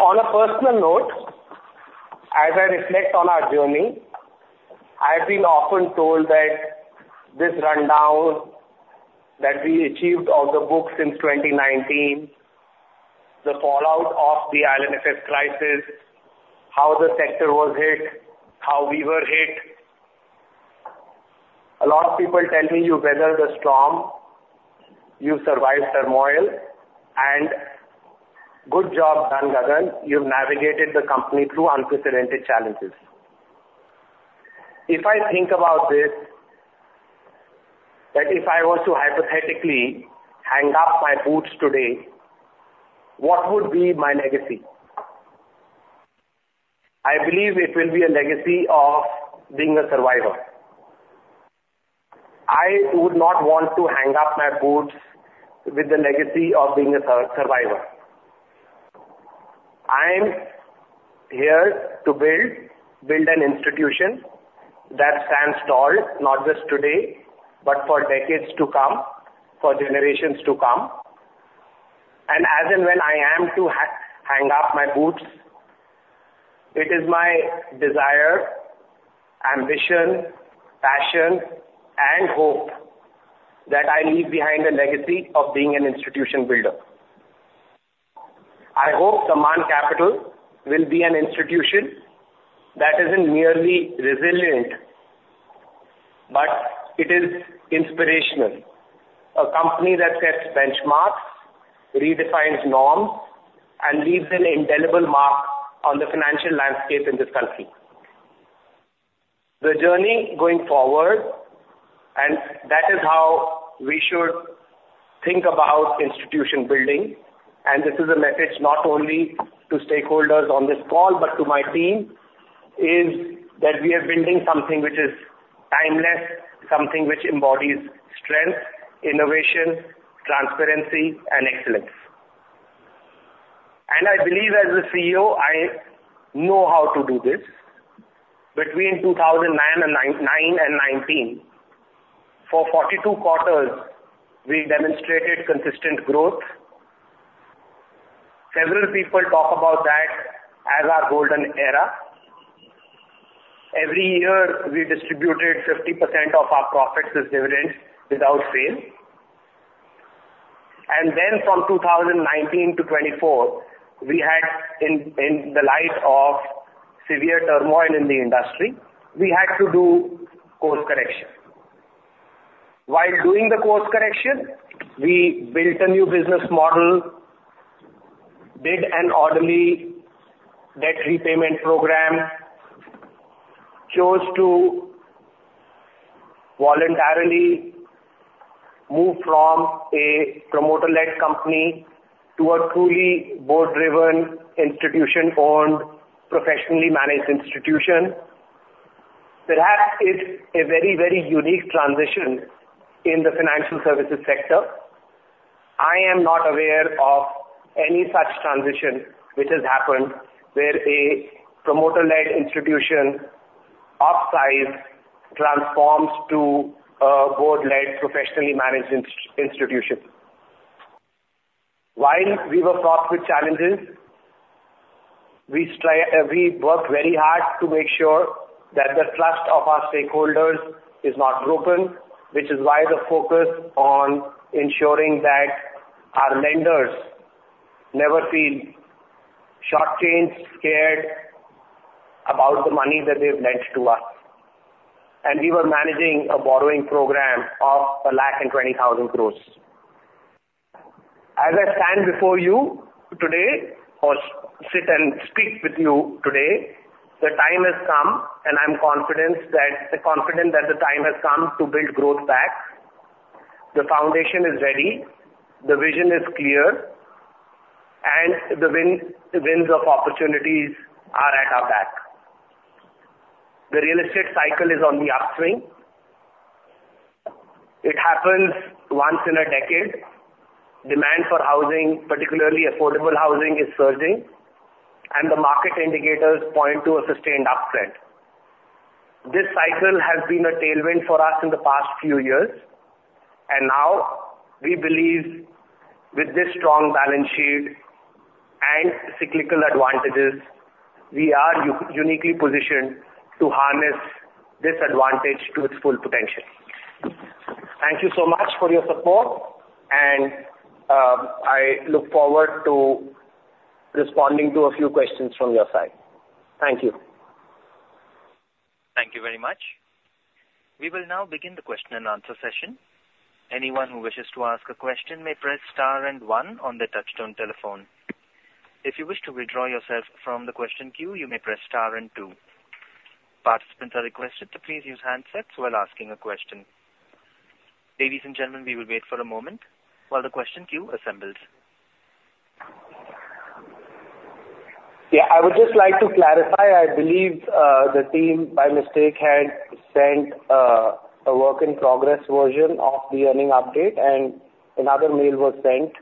On a personal note, as I reflect on our journey, I've been often told that this rundown that we achieved of the book since 2019, the fallout of the IL&FS crisis, how the sector was hit, how we were hit. A lot of people tell me you weathered the storm, you survived turmoil, and good job, well done, Gagan, you've navigated the company through unprecedented challenges. If I think about this, that if I were to hypothetically hang up my boots today, what would be my legacy? I believe it will be a legacy of being a survivor. I would not want to hang up my boots with the legacy of being a survivor. I'm here to build an institution that stands tall, not just today, but for decades to come, for generations to come. As and when I am to hang up my boots, it is my desire, ambition, passion, and hope that I leave behind a legacy of being an institution builder. I hope Sammaan Capital will be an institution that isn't merely resilient, but it is inspirational, a company that sets benchmarks, redefines norms, and leaves an indelible mark on the financial landscape in this country. The journey going forward, and that is how we should think about institution building, and this is a message not only to stakeholders on this call, but to my team, is that we are building something which is timeless, something which embodies strength, innovation, transparency, and excellence. I believe as the CEO, I know how to do this. Between 2009 and 2019, for 42 quarters, we demonstrated consistent growth. Several people talk about that as our golden era. Every year, we distributed 50% of our profits as dividends without fail, and then from 2019 to 2024, we had, in the light of severe turmoil in the industry, we had to do course correction. While doing the course correction, we built a new business model, did an orderly debt repayment program, chose to voluntarily move from a promoter-led company to a truly board-driven, institution-owned, professionally managed institution. Perhaps it's a very, very unique transition in the financial services sector. I am not aware of any such transition which has happened where a promoter-led institution upsized, transformed to a board-led, professionally managed institution. While we were fraught with challenges, we worked very hard to make sure that the trust of our stakeholders is not broken, which is why the focus on ensuring that our lenders never feel shortchanged, scared about the money that they've lent to us. And we were managing a borrowing program of 120,000 crores. As I stand before you today or sit and speak with you today, the time has come, and I'm confident that the time has come to build growth back. The foundation is ready. The vision is clear. And the winds of opportunities are at our back. The real estate cycle is on the upswing. It happens once in a decade. Demand for housing, particularly affordable housing, is surging, and the market indicators point to a sustained uptrend. This cycle has been a tailwind for us in the past few years. And now, we believe with this strong balance sheet and cyclical advantages, we are uniquely positioned to harness this advantage to its full potential. Thank you so much for your support, and I look forward to responding to a few questions from your side. Thank you. Thank you very much. We will now begin the question and answer session. Anyone who wishes to ask a question may press star and one on the touch-tone telephone. If you wish to withdraw yourself from the question queue, you may press star and two. Participants are requested to please use handsets while asking a question. Ladies and gentlemen, we will wait for a moment while the question queue assembles. Yeah, I would just like to clarify. I believe the team by mistake had sent a work in progress version of the earnings update, and another mail was sent.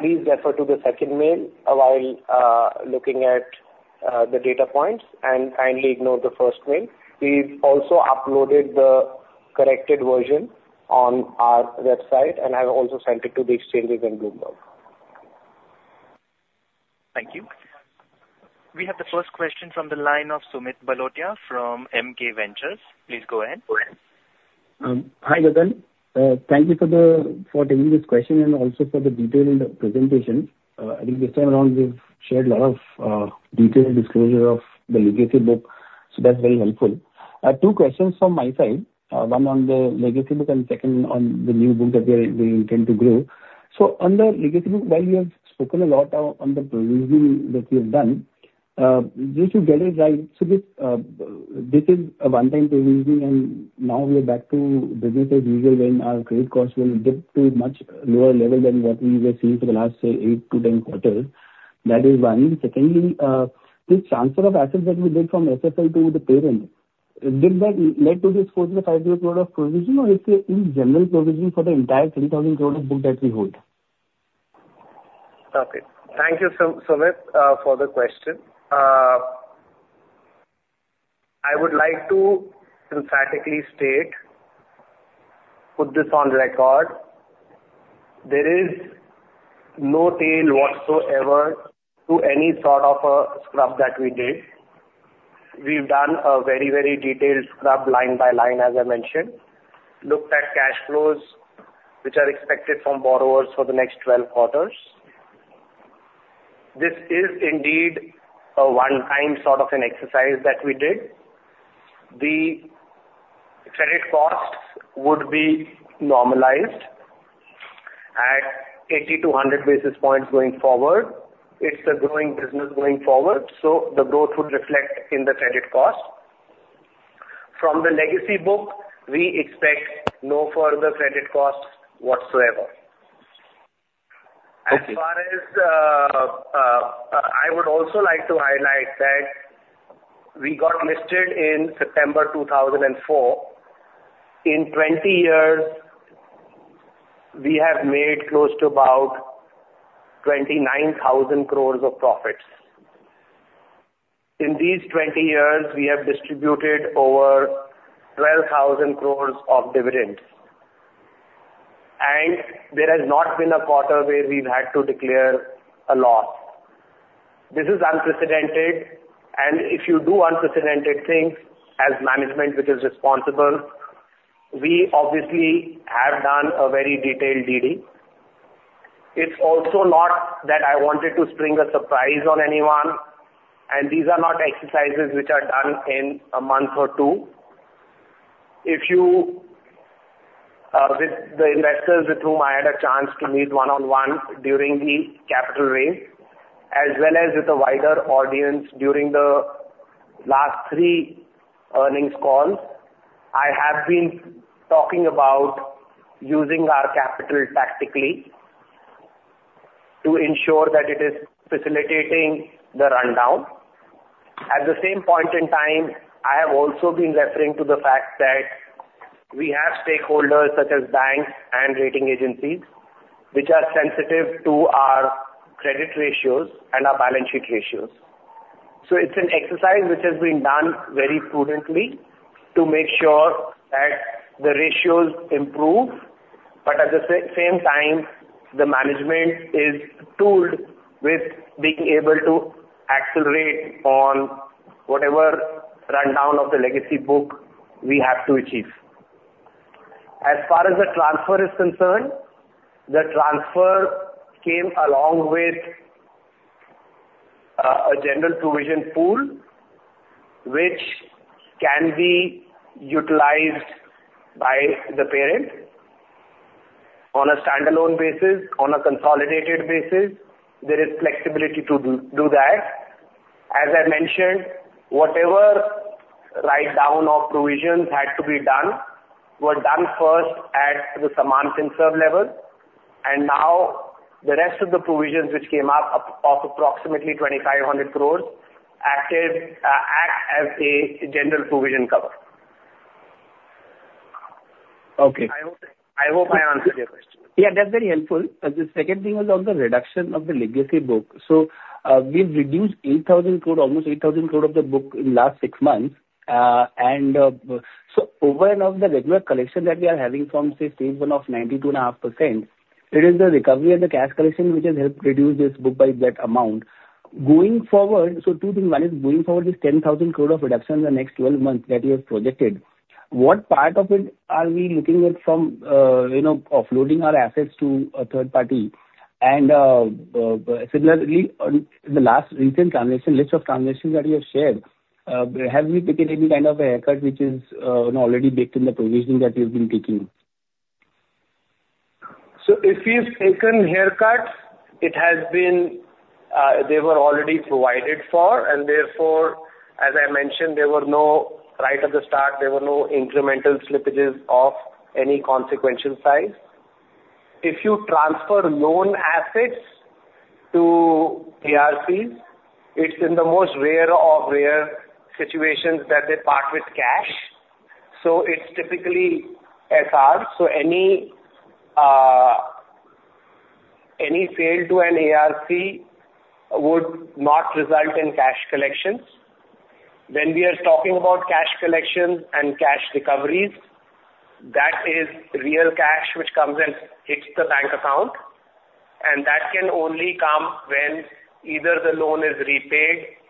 Please refer to the second mail while looking at the data points and kindly ignore the first mail. We've also uploaded the corrected version on our website, and I've also sent it to the exchanges and Bloomberg. Thank you. We have the first question from the line of Sumit Bhalotia from MK Ventures. Please go ahead. Hi Gagan. Thank you for taking this question and also for the detailed presentation. I think this time around we've shared a lot of detailed disclosure of the legacy book, so that's very helpful. Two questions from my side, one on the legacy book and second on the new book that we intend to grow. So on the legacy book, while you have spoken a lot on the provisioning that you have done, just to get it right, this is a one-time provisioning, and now we are back to business as usual when our credit costs will dip to a much lower level than what we were seeing for the last, say, eight to 10 quarters. That is one. Secondly, this transfer of assets that we did from SFL to the parent, did that lead to this 4 year-5 year period of provision or is it in general provision for the entire 30,000 crores of book that we hold? Okay. Thank you, Sumit, for the question. I would like to emphatically state, put this on record, there is no tail whatsoever to any sort of a scrub that we did. We've done a very, very detailed scrub line by line, as I mentioned, looked at cash flows which are expected from borrowers for the next 12 quarters. This is indeed a one-time sort of an exercise that we did. The credit costs would be normalized at 80-100 basis points going forward. It's a growing business going forward, so the growth would reflect in the credit cost. From the legacy book, we expect no further credit costs whatsoever. As far as I would also like to highlight that we got listed in September 2004. In 20 years, we have made close to about 29,000 crores of profits. In these 20 years, we have distributed over 12,000 crores of dividends. And there has not been a quarter where we've had to declare a loss. This is unprecedented. And if you do unprecedented things as management, which is responsible, we obviously have done a very detailed dealing. It's also not that I wanted to spring a surprise on anyone, and these are not exercises which are done in a month or two. With the investors with whom I had a chance to meet one-on-one during the capital raise, as well as with a wider audience during the last three earnings calls, I have been talking about using our capital tactically to ensure that it is facilitating the rundown. At the same point in time, I have also been referring to the fact that we have stakeholders such as banks and rating agencies which are sensitive to our credit ratios and our balance sheet ratios. So it's an exercise which has been done very prudently to make sure that the ratios improve, but at the same time, the management is tooled with being able to accelerate on whatever rundown of the legacy book we have to achieve. As far as the transfer is concerned, the transfer came along with a general provision pool which can be utilized by the parent on a standalone basis, on a consolidated basis. There is flexibility to do that. As I mentioned, whatever write-down of provisions had to be done were done first at the Sammaan Finserve level. And now the rest of the provisions which came up of approximately 2,500 crores act as a general provision cover. Okay. I hope I answered your question. Yeah, that's very helpful. The second thing was on the reduction of the legacy book. So we've reduced almost 8,000 crores of the book in the last six months. And so, over and above, the regular collection that we are having from, say, Stage 1 of 92.5%, it is the recovery of the cash collection which has helped reduce this book by that amount. Going forward, so two things. One is going forward, this 10,000 crores of reduction in the next 12 months that you have projected, what part of it are we looking at from offloading our assets to a third party? And similarly, in the last recent list of transactions that you have shared, have we taken any kind of a haircut which is already baked in the provisioning that you've been taking? So if we've taken haircuts, it has been they were already provided for. And therefore, as I mentioned, there were no right at the start, there were no incremental slippages of any consequential size. If you transfer loan assets to ARCs, it's in the most rare of rare situations that they part with cash. So it's typically SR. So any sale to an ARC would not result in cash collections. When we are talking about cash collections and cash recoveries, that is real cash which comes and hits the bank account. That can only come when either the loan is repaid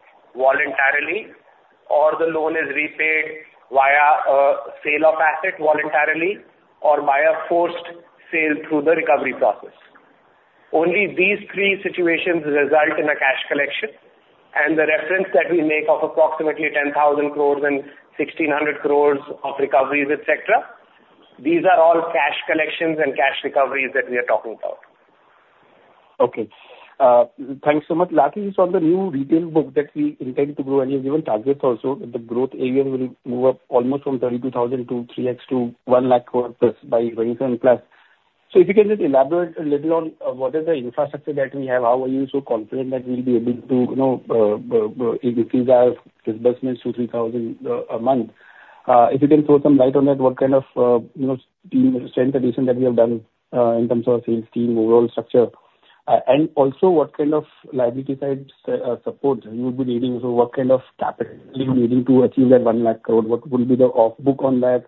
voluntarily or the loan is repaid via a sale of asset voluntarily or via forced sale through the recovery process. Only these three situations result in a cash collection. The reference that we make of approximately 10,000 crores and 1,600 crores of recoveries, etc., these are all cash collections and cash recoveries that we are talking about. Okay. Thanks so much. Lastly, this is on the new retail book that we intend to grow, and you've given targets also that the growth area will move up almost from 32,000 to 3X to 1 lakh crores by 27 plus. So if you can just elaborate a little on what is the infrastructure that we have, how are you so confident that we'll be able to increase our disbursements to 3,000 a month. If you can throw some light on that, what kind of team strength addition that we have done in terms of our sales team, overall structure. And also what kind of liability side support you would be needing. So what kind of capital are you needing to achieve that 1 lakh crore. What would be the off-book on that,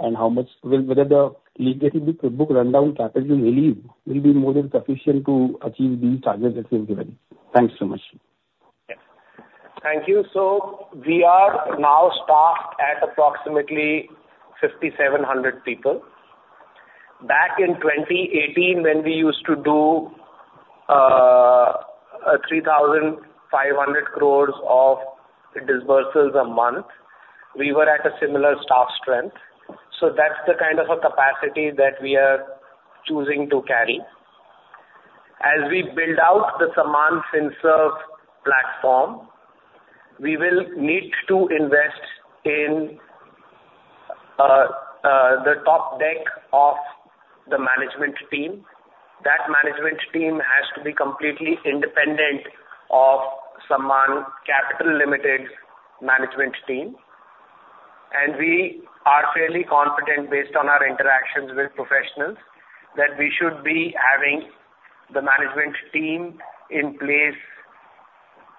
and how much will the legacy book rundown capital relieve will be more than sufficient to achieve these targets that we have given. Thanks so much. Yes. Thank you. We are now staffed at approximately 5,700 people. Back in 2018, when we used to do 3,500 crores of disbursals a month, we were at a similar staff strength, so that's the kind of capacity that we are choosing to carry. As we build out the Sammaan Finserve platform, we will need to invest in the top deck of the management team. That management team has to be completely independent of Sammaan Capital Limited's management team, and we are fairly confident, based on our interactions with professionals, that we should be having the management team in place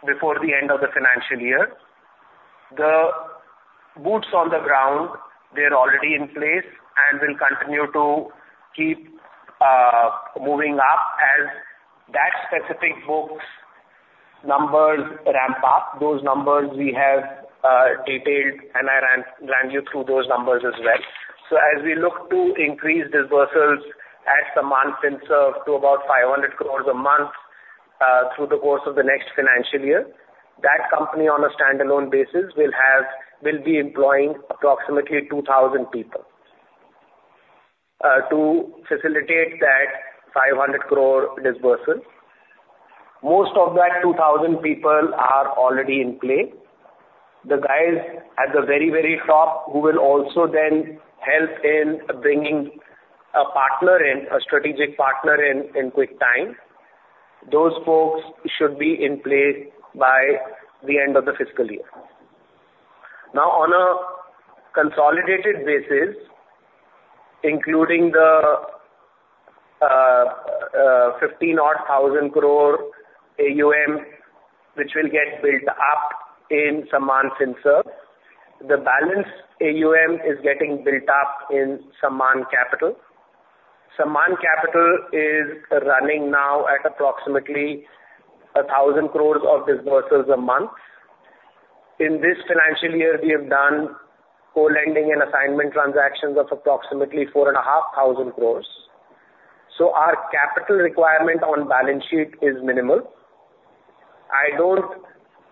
before the end of the financial year. The boots on the ground, they're already in place and will continue to keep moving up as that specific book's numbers ramp up. Those numbers we have detailed, and I ran you through those numbers as well. So as we look to increase disbursals at Sammaan Finserve to about 500 crore a month through the course of the next financial year, that company on a standalone basis will be employing approximately 2,000 people to facilitate that 500 crore disbursal. Most of that 2,000 people are already in place. The guys at the very, very top who will also then help in bringing a partner in, a strategic partner in quick time, those folks should be in place by the end of the fiscal year. Now, on a consolidated basis, including the 15 or 1,000 crore AUM which will get built up in Sammaan Finserve, the balance AUM is getting built up in Sammaan Capital. Sammaan Capital is running now at approximately 1,000 crore of disbursals a month. In this financial year, we have done co-lending and assignment transactions of approximately 4,500 crore. So our capital requirement on balance sheet is minimal. I don't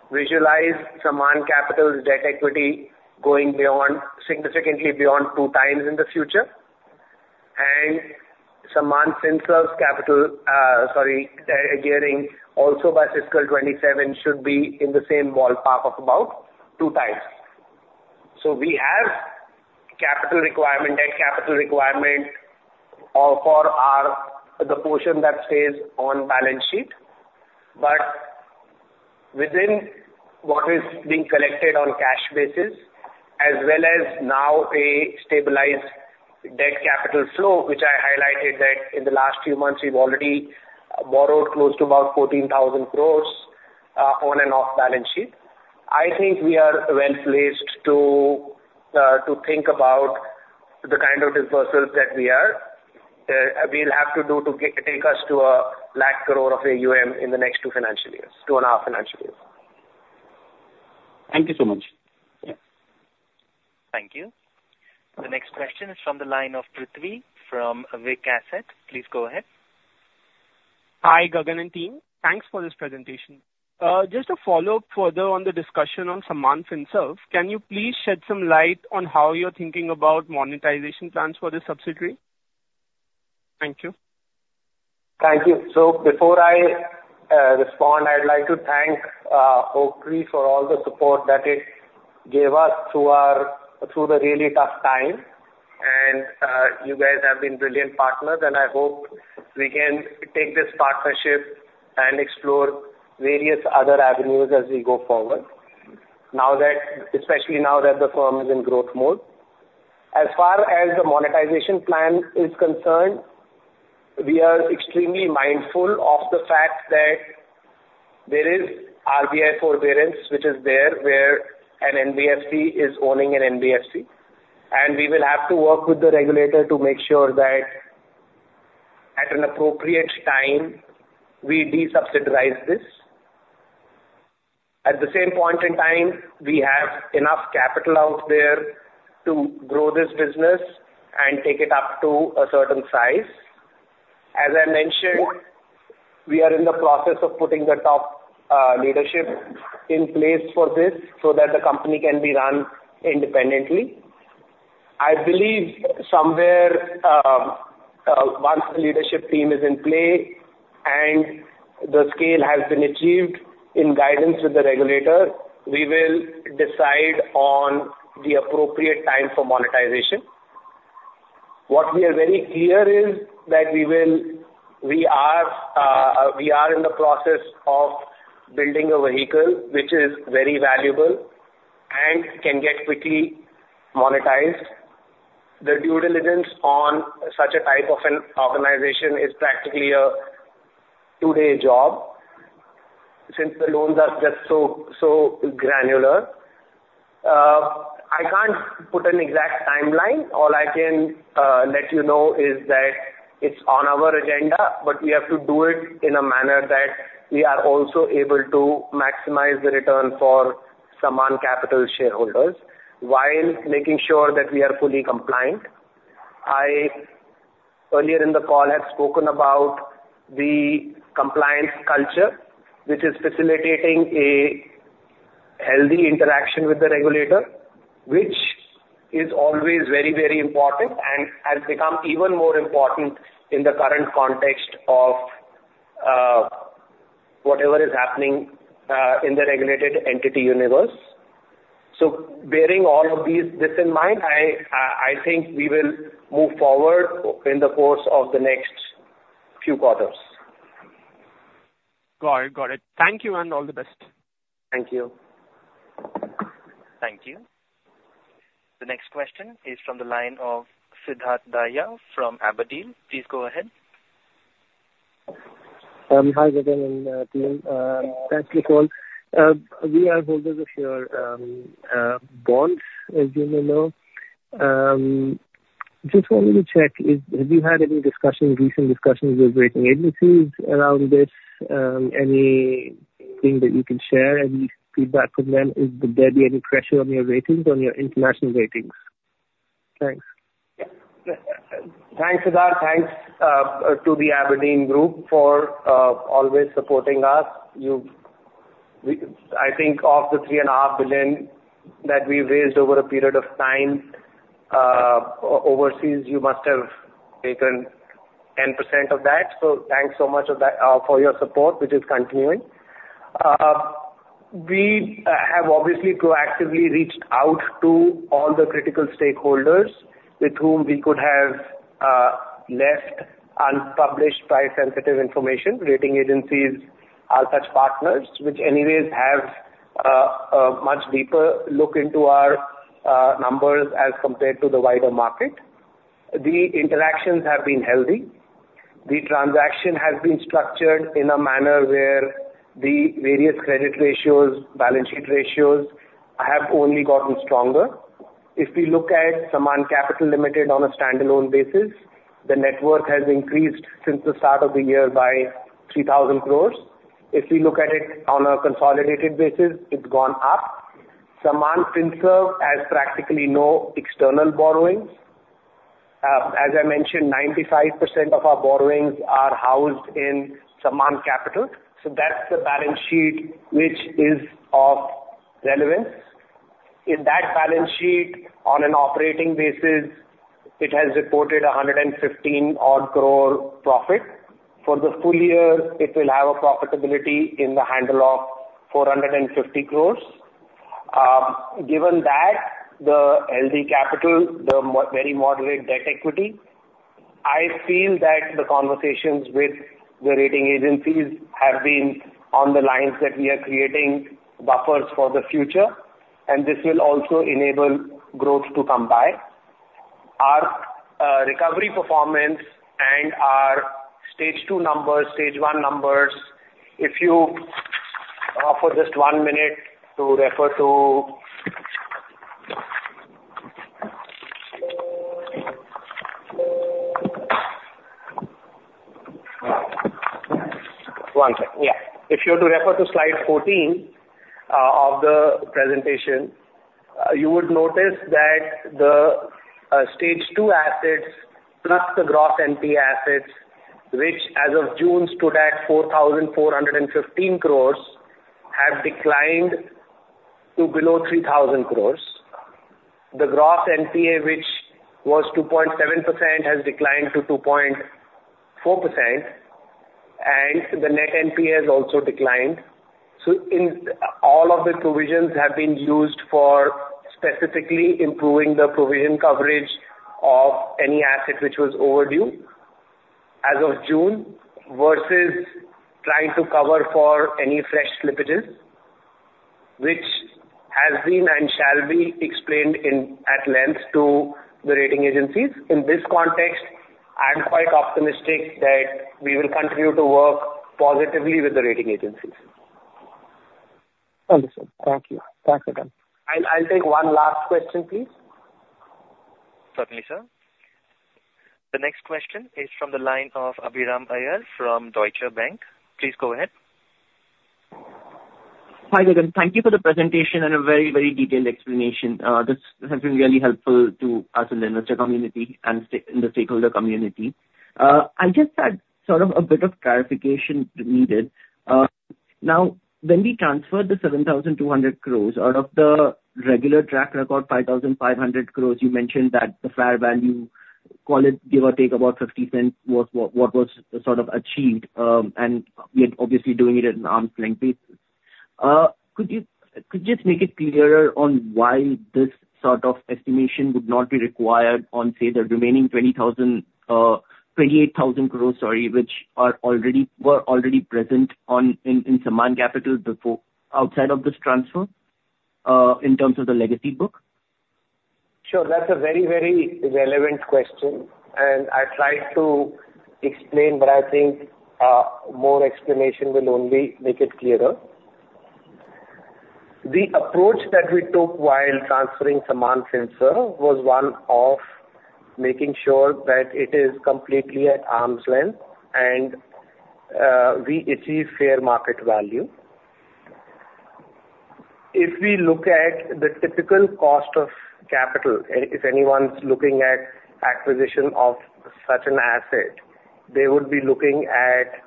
visualize Sammaan Capital's debt equity going significantly beyond two times in the future. And Sammaan Finserve's capital, sorry, gearing also by fiscal 27 should be in the same ballpark of about two times. So we have capital requirement, debt capital requirement for the portion that stays on balance sheet. But within what is being collected on cash basis, as well as now a stabilized debt capital flow, which I highlighted that in the last few months, we've already borrowed close to about 14,000 crores on and off balance sheet, I think we are well placed to think about the kind of disbursals that we have to do to take us to a lakh crore of AUM in the next two financial years, two and a half financial years. Thank you so much. Thank you. The next question is from the line of Prithvi from Vic Assets. Please go ahead. Hi, Gagan and team. Thanks for this presentation. Just a follow-up further on the discussion on Sammaan Finserve. Can you please shed some light on how you're thinking about monetization plans for this subsidiary? Thank you. Thank you. So before I respond, I'd like to thank Oaktree for all the support that it gave us through the really tough time. And you guys have been brilliant partners, and I hope we can take this partnership and explore various other avenues as we go forward, especially now that the firm is in growth mode. As far as the monetization plan is concerned, we are extremely mindful of the fact that there is RBI forbearance, which is there where an NBFC is owning an NBFC. We will have to work with the regulator to make sure that at an appropriate time, we desubsidize this. At the same point in time, we have enough capital out there to grow this business and take it up to a certain size. As I mentioned, we are in the process of putting the top leadership in place for this so that the company can be run independently. I believe somewhere once the leadership team is in play and the scale has been achieved in guidance with the regulator, we will decide on the appropriate time for monetization. What we are very clear is that we are in the process of building a vehicle which is very valuable and can get quickly monetized. The due diligence on such a type of an organization is practically a two-day job since the loans are just so granular. I can't put an exact timeline. All I can let you know is that it's on our agenda, but we have to do it in a manner that we are also able to maximize the return for Sammaan Capital shareholders while making sure that we are fully compliant. Earlier in the call, I had spoken about the compliance culture, which is facilitating a healthy interaction with the regulator, which is always very, very important and has become even more important in the current context of whatever is happening in the regulated entity universe. So bearing all of this in mind, I think we will move forward in the course of the next few quarters. Got it. Got it. Thank you and all the best. Thank you. Thank you. The next question is from the line of Siddharth Dahiya from Aberdeen. Please go ahead. Hi, Gagan and team. Thanks for the call. We are holders of your bonds, as you may know. Just wanted to check, have you had any recent discussions with rating agencies around this? Anything that you can share, any feedback from them? Is there any pressure on your ratings, on your international ratings? Thanks. Thanks, Siddharth. Thanks to the Aberdeen Group for always supporting us. I think of the $3.5 billion that we've raised over a period of time overseas, you must have taken 10% of that. So thanks so much for your support, which is continuing. We have obviously proactively reached out to all the critical stakeholders with whom we could have left unpublished price-sensitive information. Rating agencies are such partners which anyways have a much deeper look into our numbers as compared to the wider market. The interactions have been healthy. The transaction has been structured in a manner where the various credit ratios, balance sheet ratios have only gotten stronger. If we look at Sammaan Capital Limited on a standalone basis, the net worth has increased since the start of the year by 3,000 crores. If we look at it on a consolidated basis, it's gone up. Sammaan Finserve Limited has practically no external borrowings. As I mentioned, 95% of our borrowings are housed in Sammaan Capital. So that's the balance sheet which is of relevance. In that balance sheet, on an operating basis, it has reported 115-odd crore profit. For the full year, it will have a profitability in the handle of 450 crores. Given that, the healthy capital, the very moderate debt equity, I feel that the conversations with the rating agencies have been on the lines that we are creating buffers for the future, and this will also enable growth to come by. Our recovery performance and our Stage 2 numbers, Stage 1 numbers. If you offer just one minute to refer to one sec. Yeah. If you were to refer to slide 14 of the presentation, you would notice that the Stage 2 assets, plus the gross NPA assets, which as of June stood at 4,415 crores, have declined to below 3,000 crores. The gross NPA, which was 2.7%, has declined to 2.4%, and the net NPA has also declined. So all of the provisions have been used for specifically improving the provision coverage of any asset which was overdue as of June versus trying to cover for any fresh slippages, which has been and shall be explained at length to the rating agencies. In this context, I'm quite optimistic that we will continue to work positively with the rating agencies. Understood. Thank you. Thanks, Gagan. I'll take one last question, please. Certainly, sir. The next question is from the line of Abhiram Iyer from Deutsche Bank. Please go ahead. Hi, Gagan. Thank you for the presentation and a very, very detailed explanation. This has been really helpful to us in the investor community and in the stakeholder community. I just had sort of a bit of clarification needed. Now, when we transferred the 7,200 crores out of the regular track record 5,500 crores, you mentioned that the fair value, call it give or take about $0.50, was what was sort of achieved, and we are obviously doing it at an arm's length. Could you just make it clearer on why this sort of estimation would not be required on, say, the remaining 28,000 crores, sorry, which were already present in Sammaan Capital outside of this transfer in terms of the legacy book? Sure. That's a very, very relevant question, and I tried to explain, but I think more explanation will only make it clearer. The approach that we took while transferring Sammaan Finserve was one of making sure that it is completely at an arm's length and we achieve fair market value. If we look at the typical cost of capital, if anyone's looking at acquisition of such an asset, they would be looking at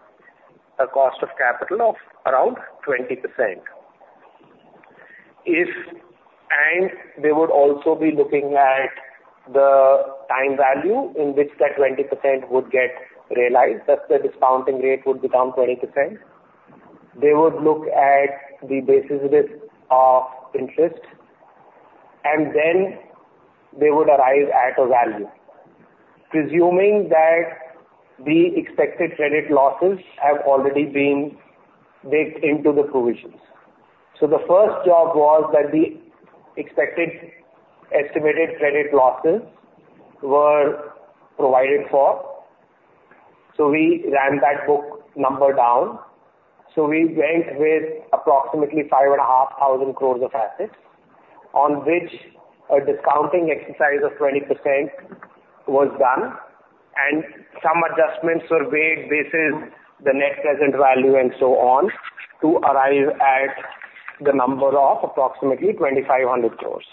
a cost of capital of around 20%. And they would also be looking at the time value in which that 20% would get realized. That's the discounting rate would be down 20%. They would look at the basis risk of interest, and then they would arrive at a value, presuming that the expected credit losses have already been baked into the provisions. So the first job was that the expected estimated credit losses were provided for. So we ran that book number down. We went with approximately 5,500 crores of assets on which a discounting exercise of 20% was done, and some adjustments were made based on the net present value and so on to arrive at the number of approximately 2,500 crores.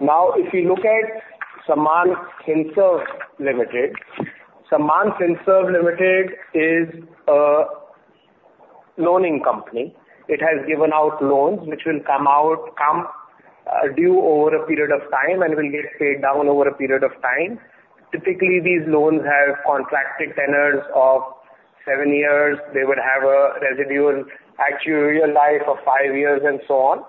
Now, if you look at Sammaan Finserve Limited, Sammaan Finserve Limited is a loaning company. It has given out loans which will come due over a period of time and will get paid down over a period of time. Typically, these loans have contracted tenors of seven years. They would have a residual actuarial life of five years and so on.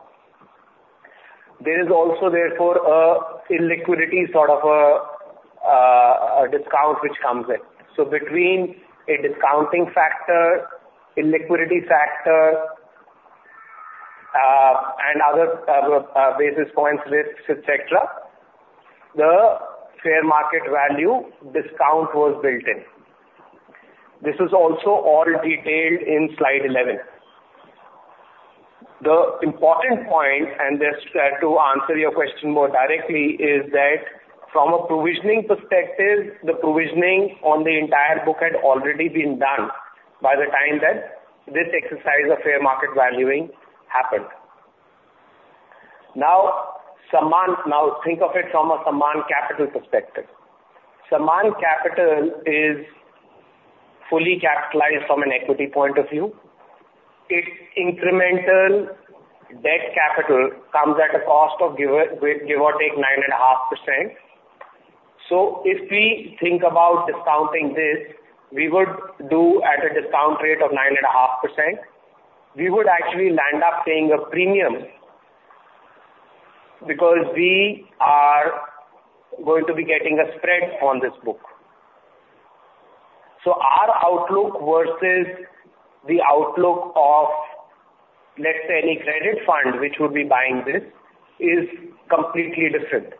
There is also, therefore, an illiquidity sort of a discount which comes in. So between a discounting factor, illiquidity factor, and other basis points risk, etc., the fair market value discount was built in. This is also all detailed in slide 11. The important point, and just to answer your question more directly, is that from a provisioning perspective, the provisioning on the entire book had already been done by the time that this exercise of fair market valuing happened. Now, think of it from a Sammaan Capital perspective. Sammaan Capital is fully capitalized from an equity point of view. Its incremental debt capital comes at a cost of give or take 9.5%. So if we think about discounting this, we would do at a discount rate of 9.5%. We would actually land up paying a premium because we are going to be getting a spread on this book. So our outlook versus the outlook of, let's say, any credit fund which would be buying this is completely different,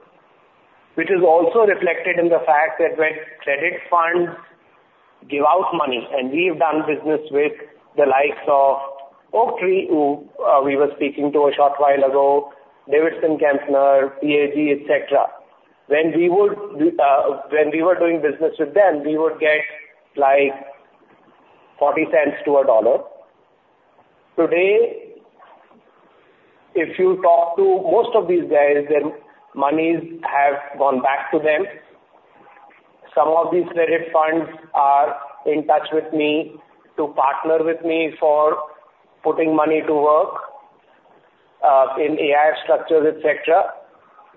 which is also reflected in the fact that when credit funds give out money, and we have done business with the likes of Oaktree, who we were speaking to a short while ago, Davidson Kempner, PAG, etc. When we were doing business with them, we would get like 40 cents to a dollar. Today, if you talk to most of these guys, their monies have gone back to them. Some of these credit funds are in touch with me to partner with me for putting money to work in ARC structures, etc.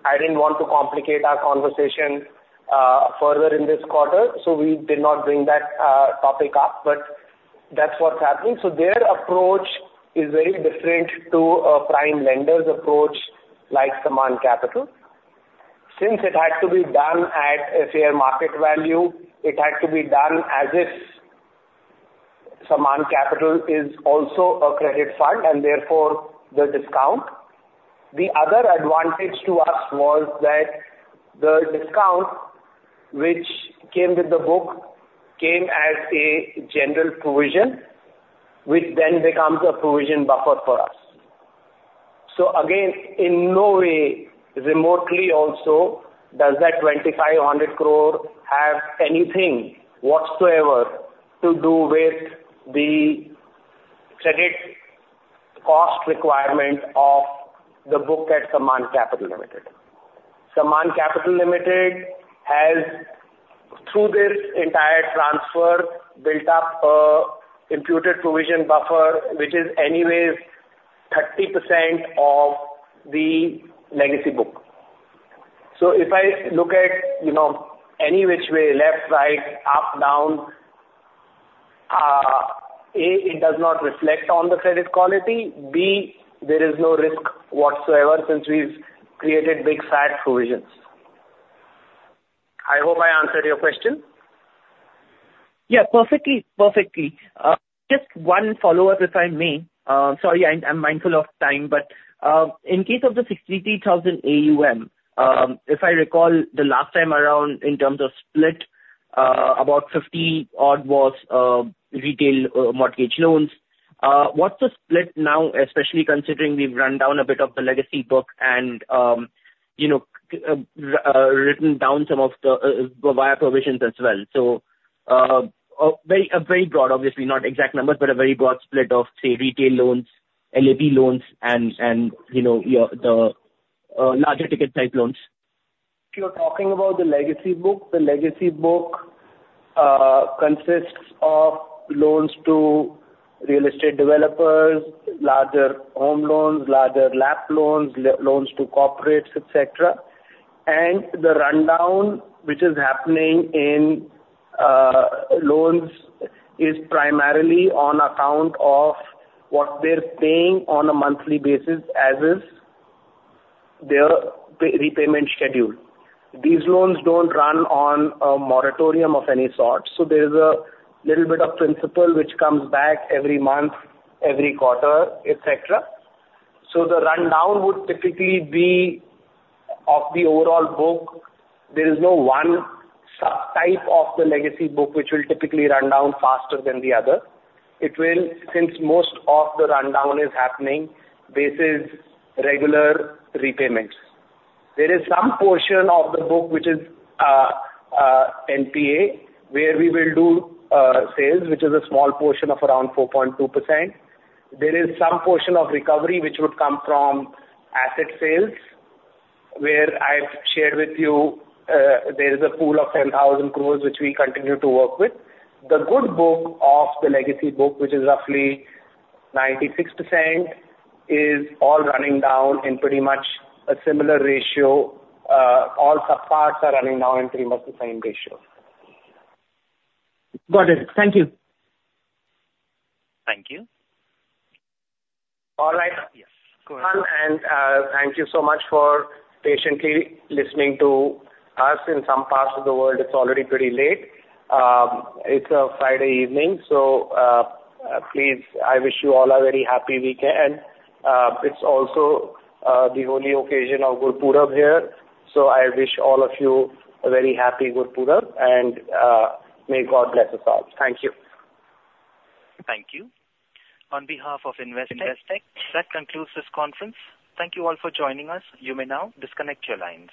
I didn't want to complicate our conversation further in this quarter, so we did not bring that topic up, but that's what's happening. So their approach is very different to a prime lender's approach like Sammaan Capital. Since it had to be done at a fair market value, it had to be done as if Sammaan Capital is also a credit fund and therefore the discount. The other advantage to us was that the discount which came with the book came as a general provision, which then becomes a provision buffer for us. So again, in no way remotely also does that 2,500 crore have anything whatsoever to do with the credit cost requirement of the book at Sammaan Capital Limited. Sammaan Capital Limited has, through this entire transfer, built up an imputed provision buffer, which is anyways 30% of the legacy book. So if I look at any which way, left, right, up, down, A, it does not reflect on the credit quality. B, there is no risk whatsoever since we've created big fat provisions. I hope I answered your question. Yeah. Perfectly. Perfectly. Just one follow-up, if I may. Sorry, I'm mindful of time, but in case of the 63,000 AUM, if I recall, the last time around in terms of split, about 50-odd was retail mortgage loans. What's the split now, especially considering we've run down a bit of the legacy book and written down some of the provisions as well? So a very broad, obviously, not exact numbers, but a very broad split of, say, retail loans, LAP loans, and the larger ticket type loans. If you're talking about the legacy book, the legacy book consists of loans to real estate developers, larger home loans, larger LAP loans, loans to corporates, etc. And the rundown which is happening in loans is primarily on account of what they're paying on a monthly basis as is their repayment schedule. These loans don't run on a moratorium of any sort, so there is a little bit of principal which comes back every month, every quarter, etc. So the rundown would typically be of the overall book. There is no one subtype of the legacy book which will typically run down faster than the other. Since most of the rundown is happening basis regular repayments, there is some portion of the book which is NPA where we will do sales, which is a small portion of around 4.2%. There is some portion of recovery which would come from asset sales where I've shared with you there is a pool of 10,000 crores which we continue to work with. The good book of the legacy book, which is roughly 96%, is all running down in pretty much a similar ratio. All subparts are running down in pretty much the same ratio. Got it. Thank you. Thank you. All right. Yes. Go ahead, and thank you so much for patiently listening to us. In some parts of the world, it's already pretty late. It's a Friday evening, so please, I wish you all a very happy weekend. It's also the holy occasion of Gurpurab here, so I wish all of you a very happy Gurpurab, and may God bless us all. Thank you. Thank you. On behalf of Investec, that concludes this conference. Thank you all for joining us. You may now disconnect your lines.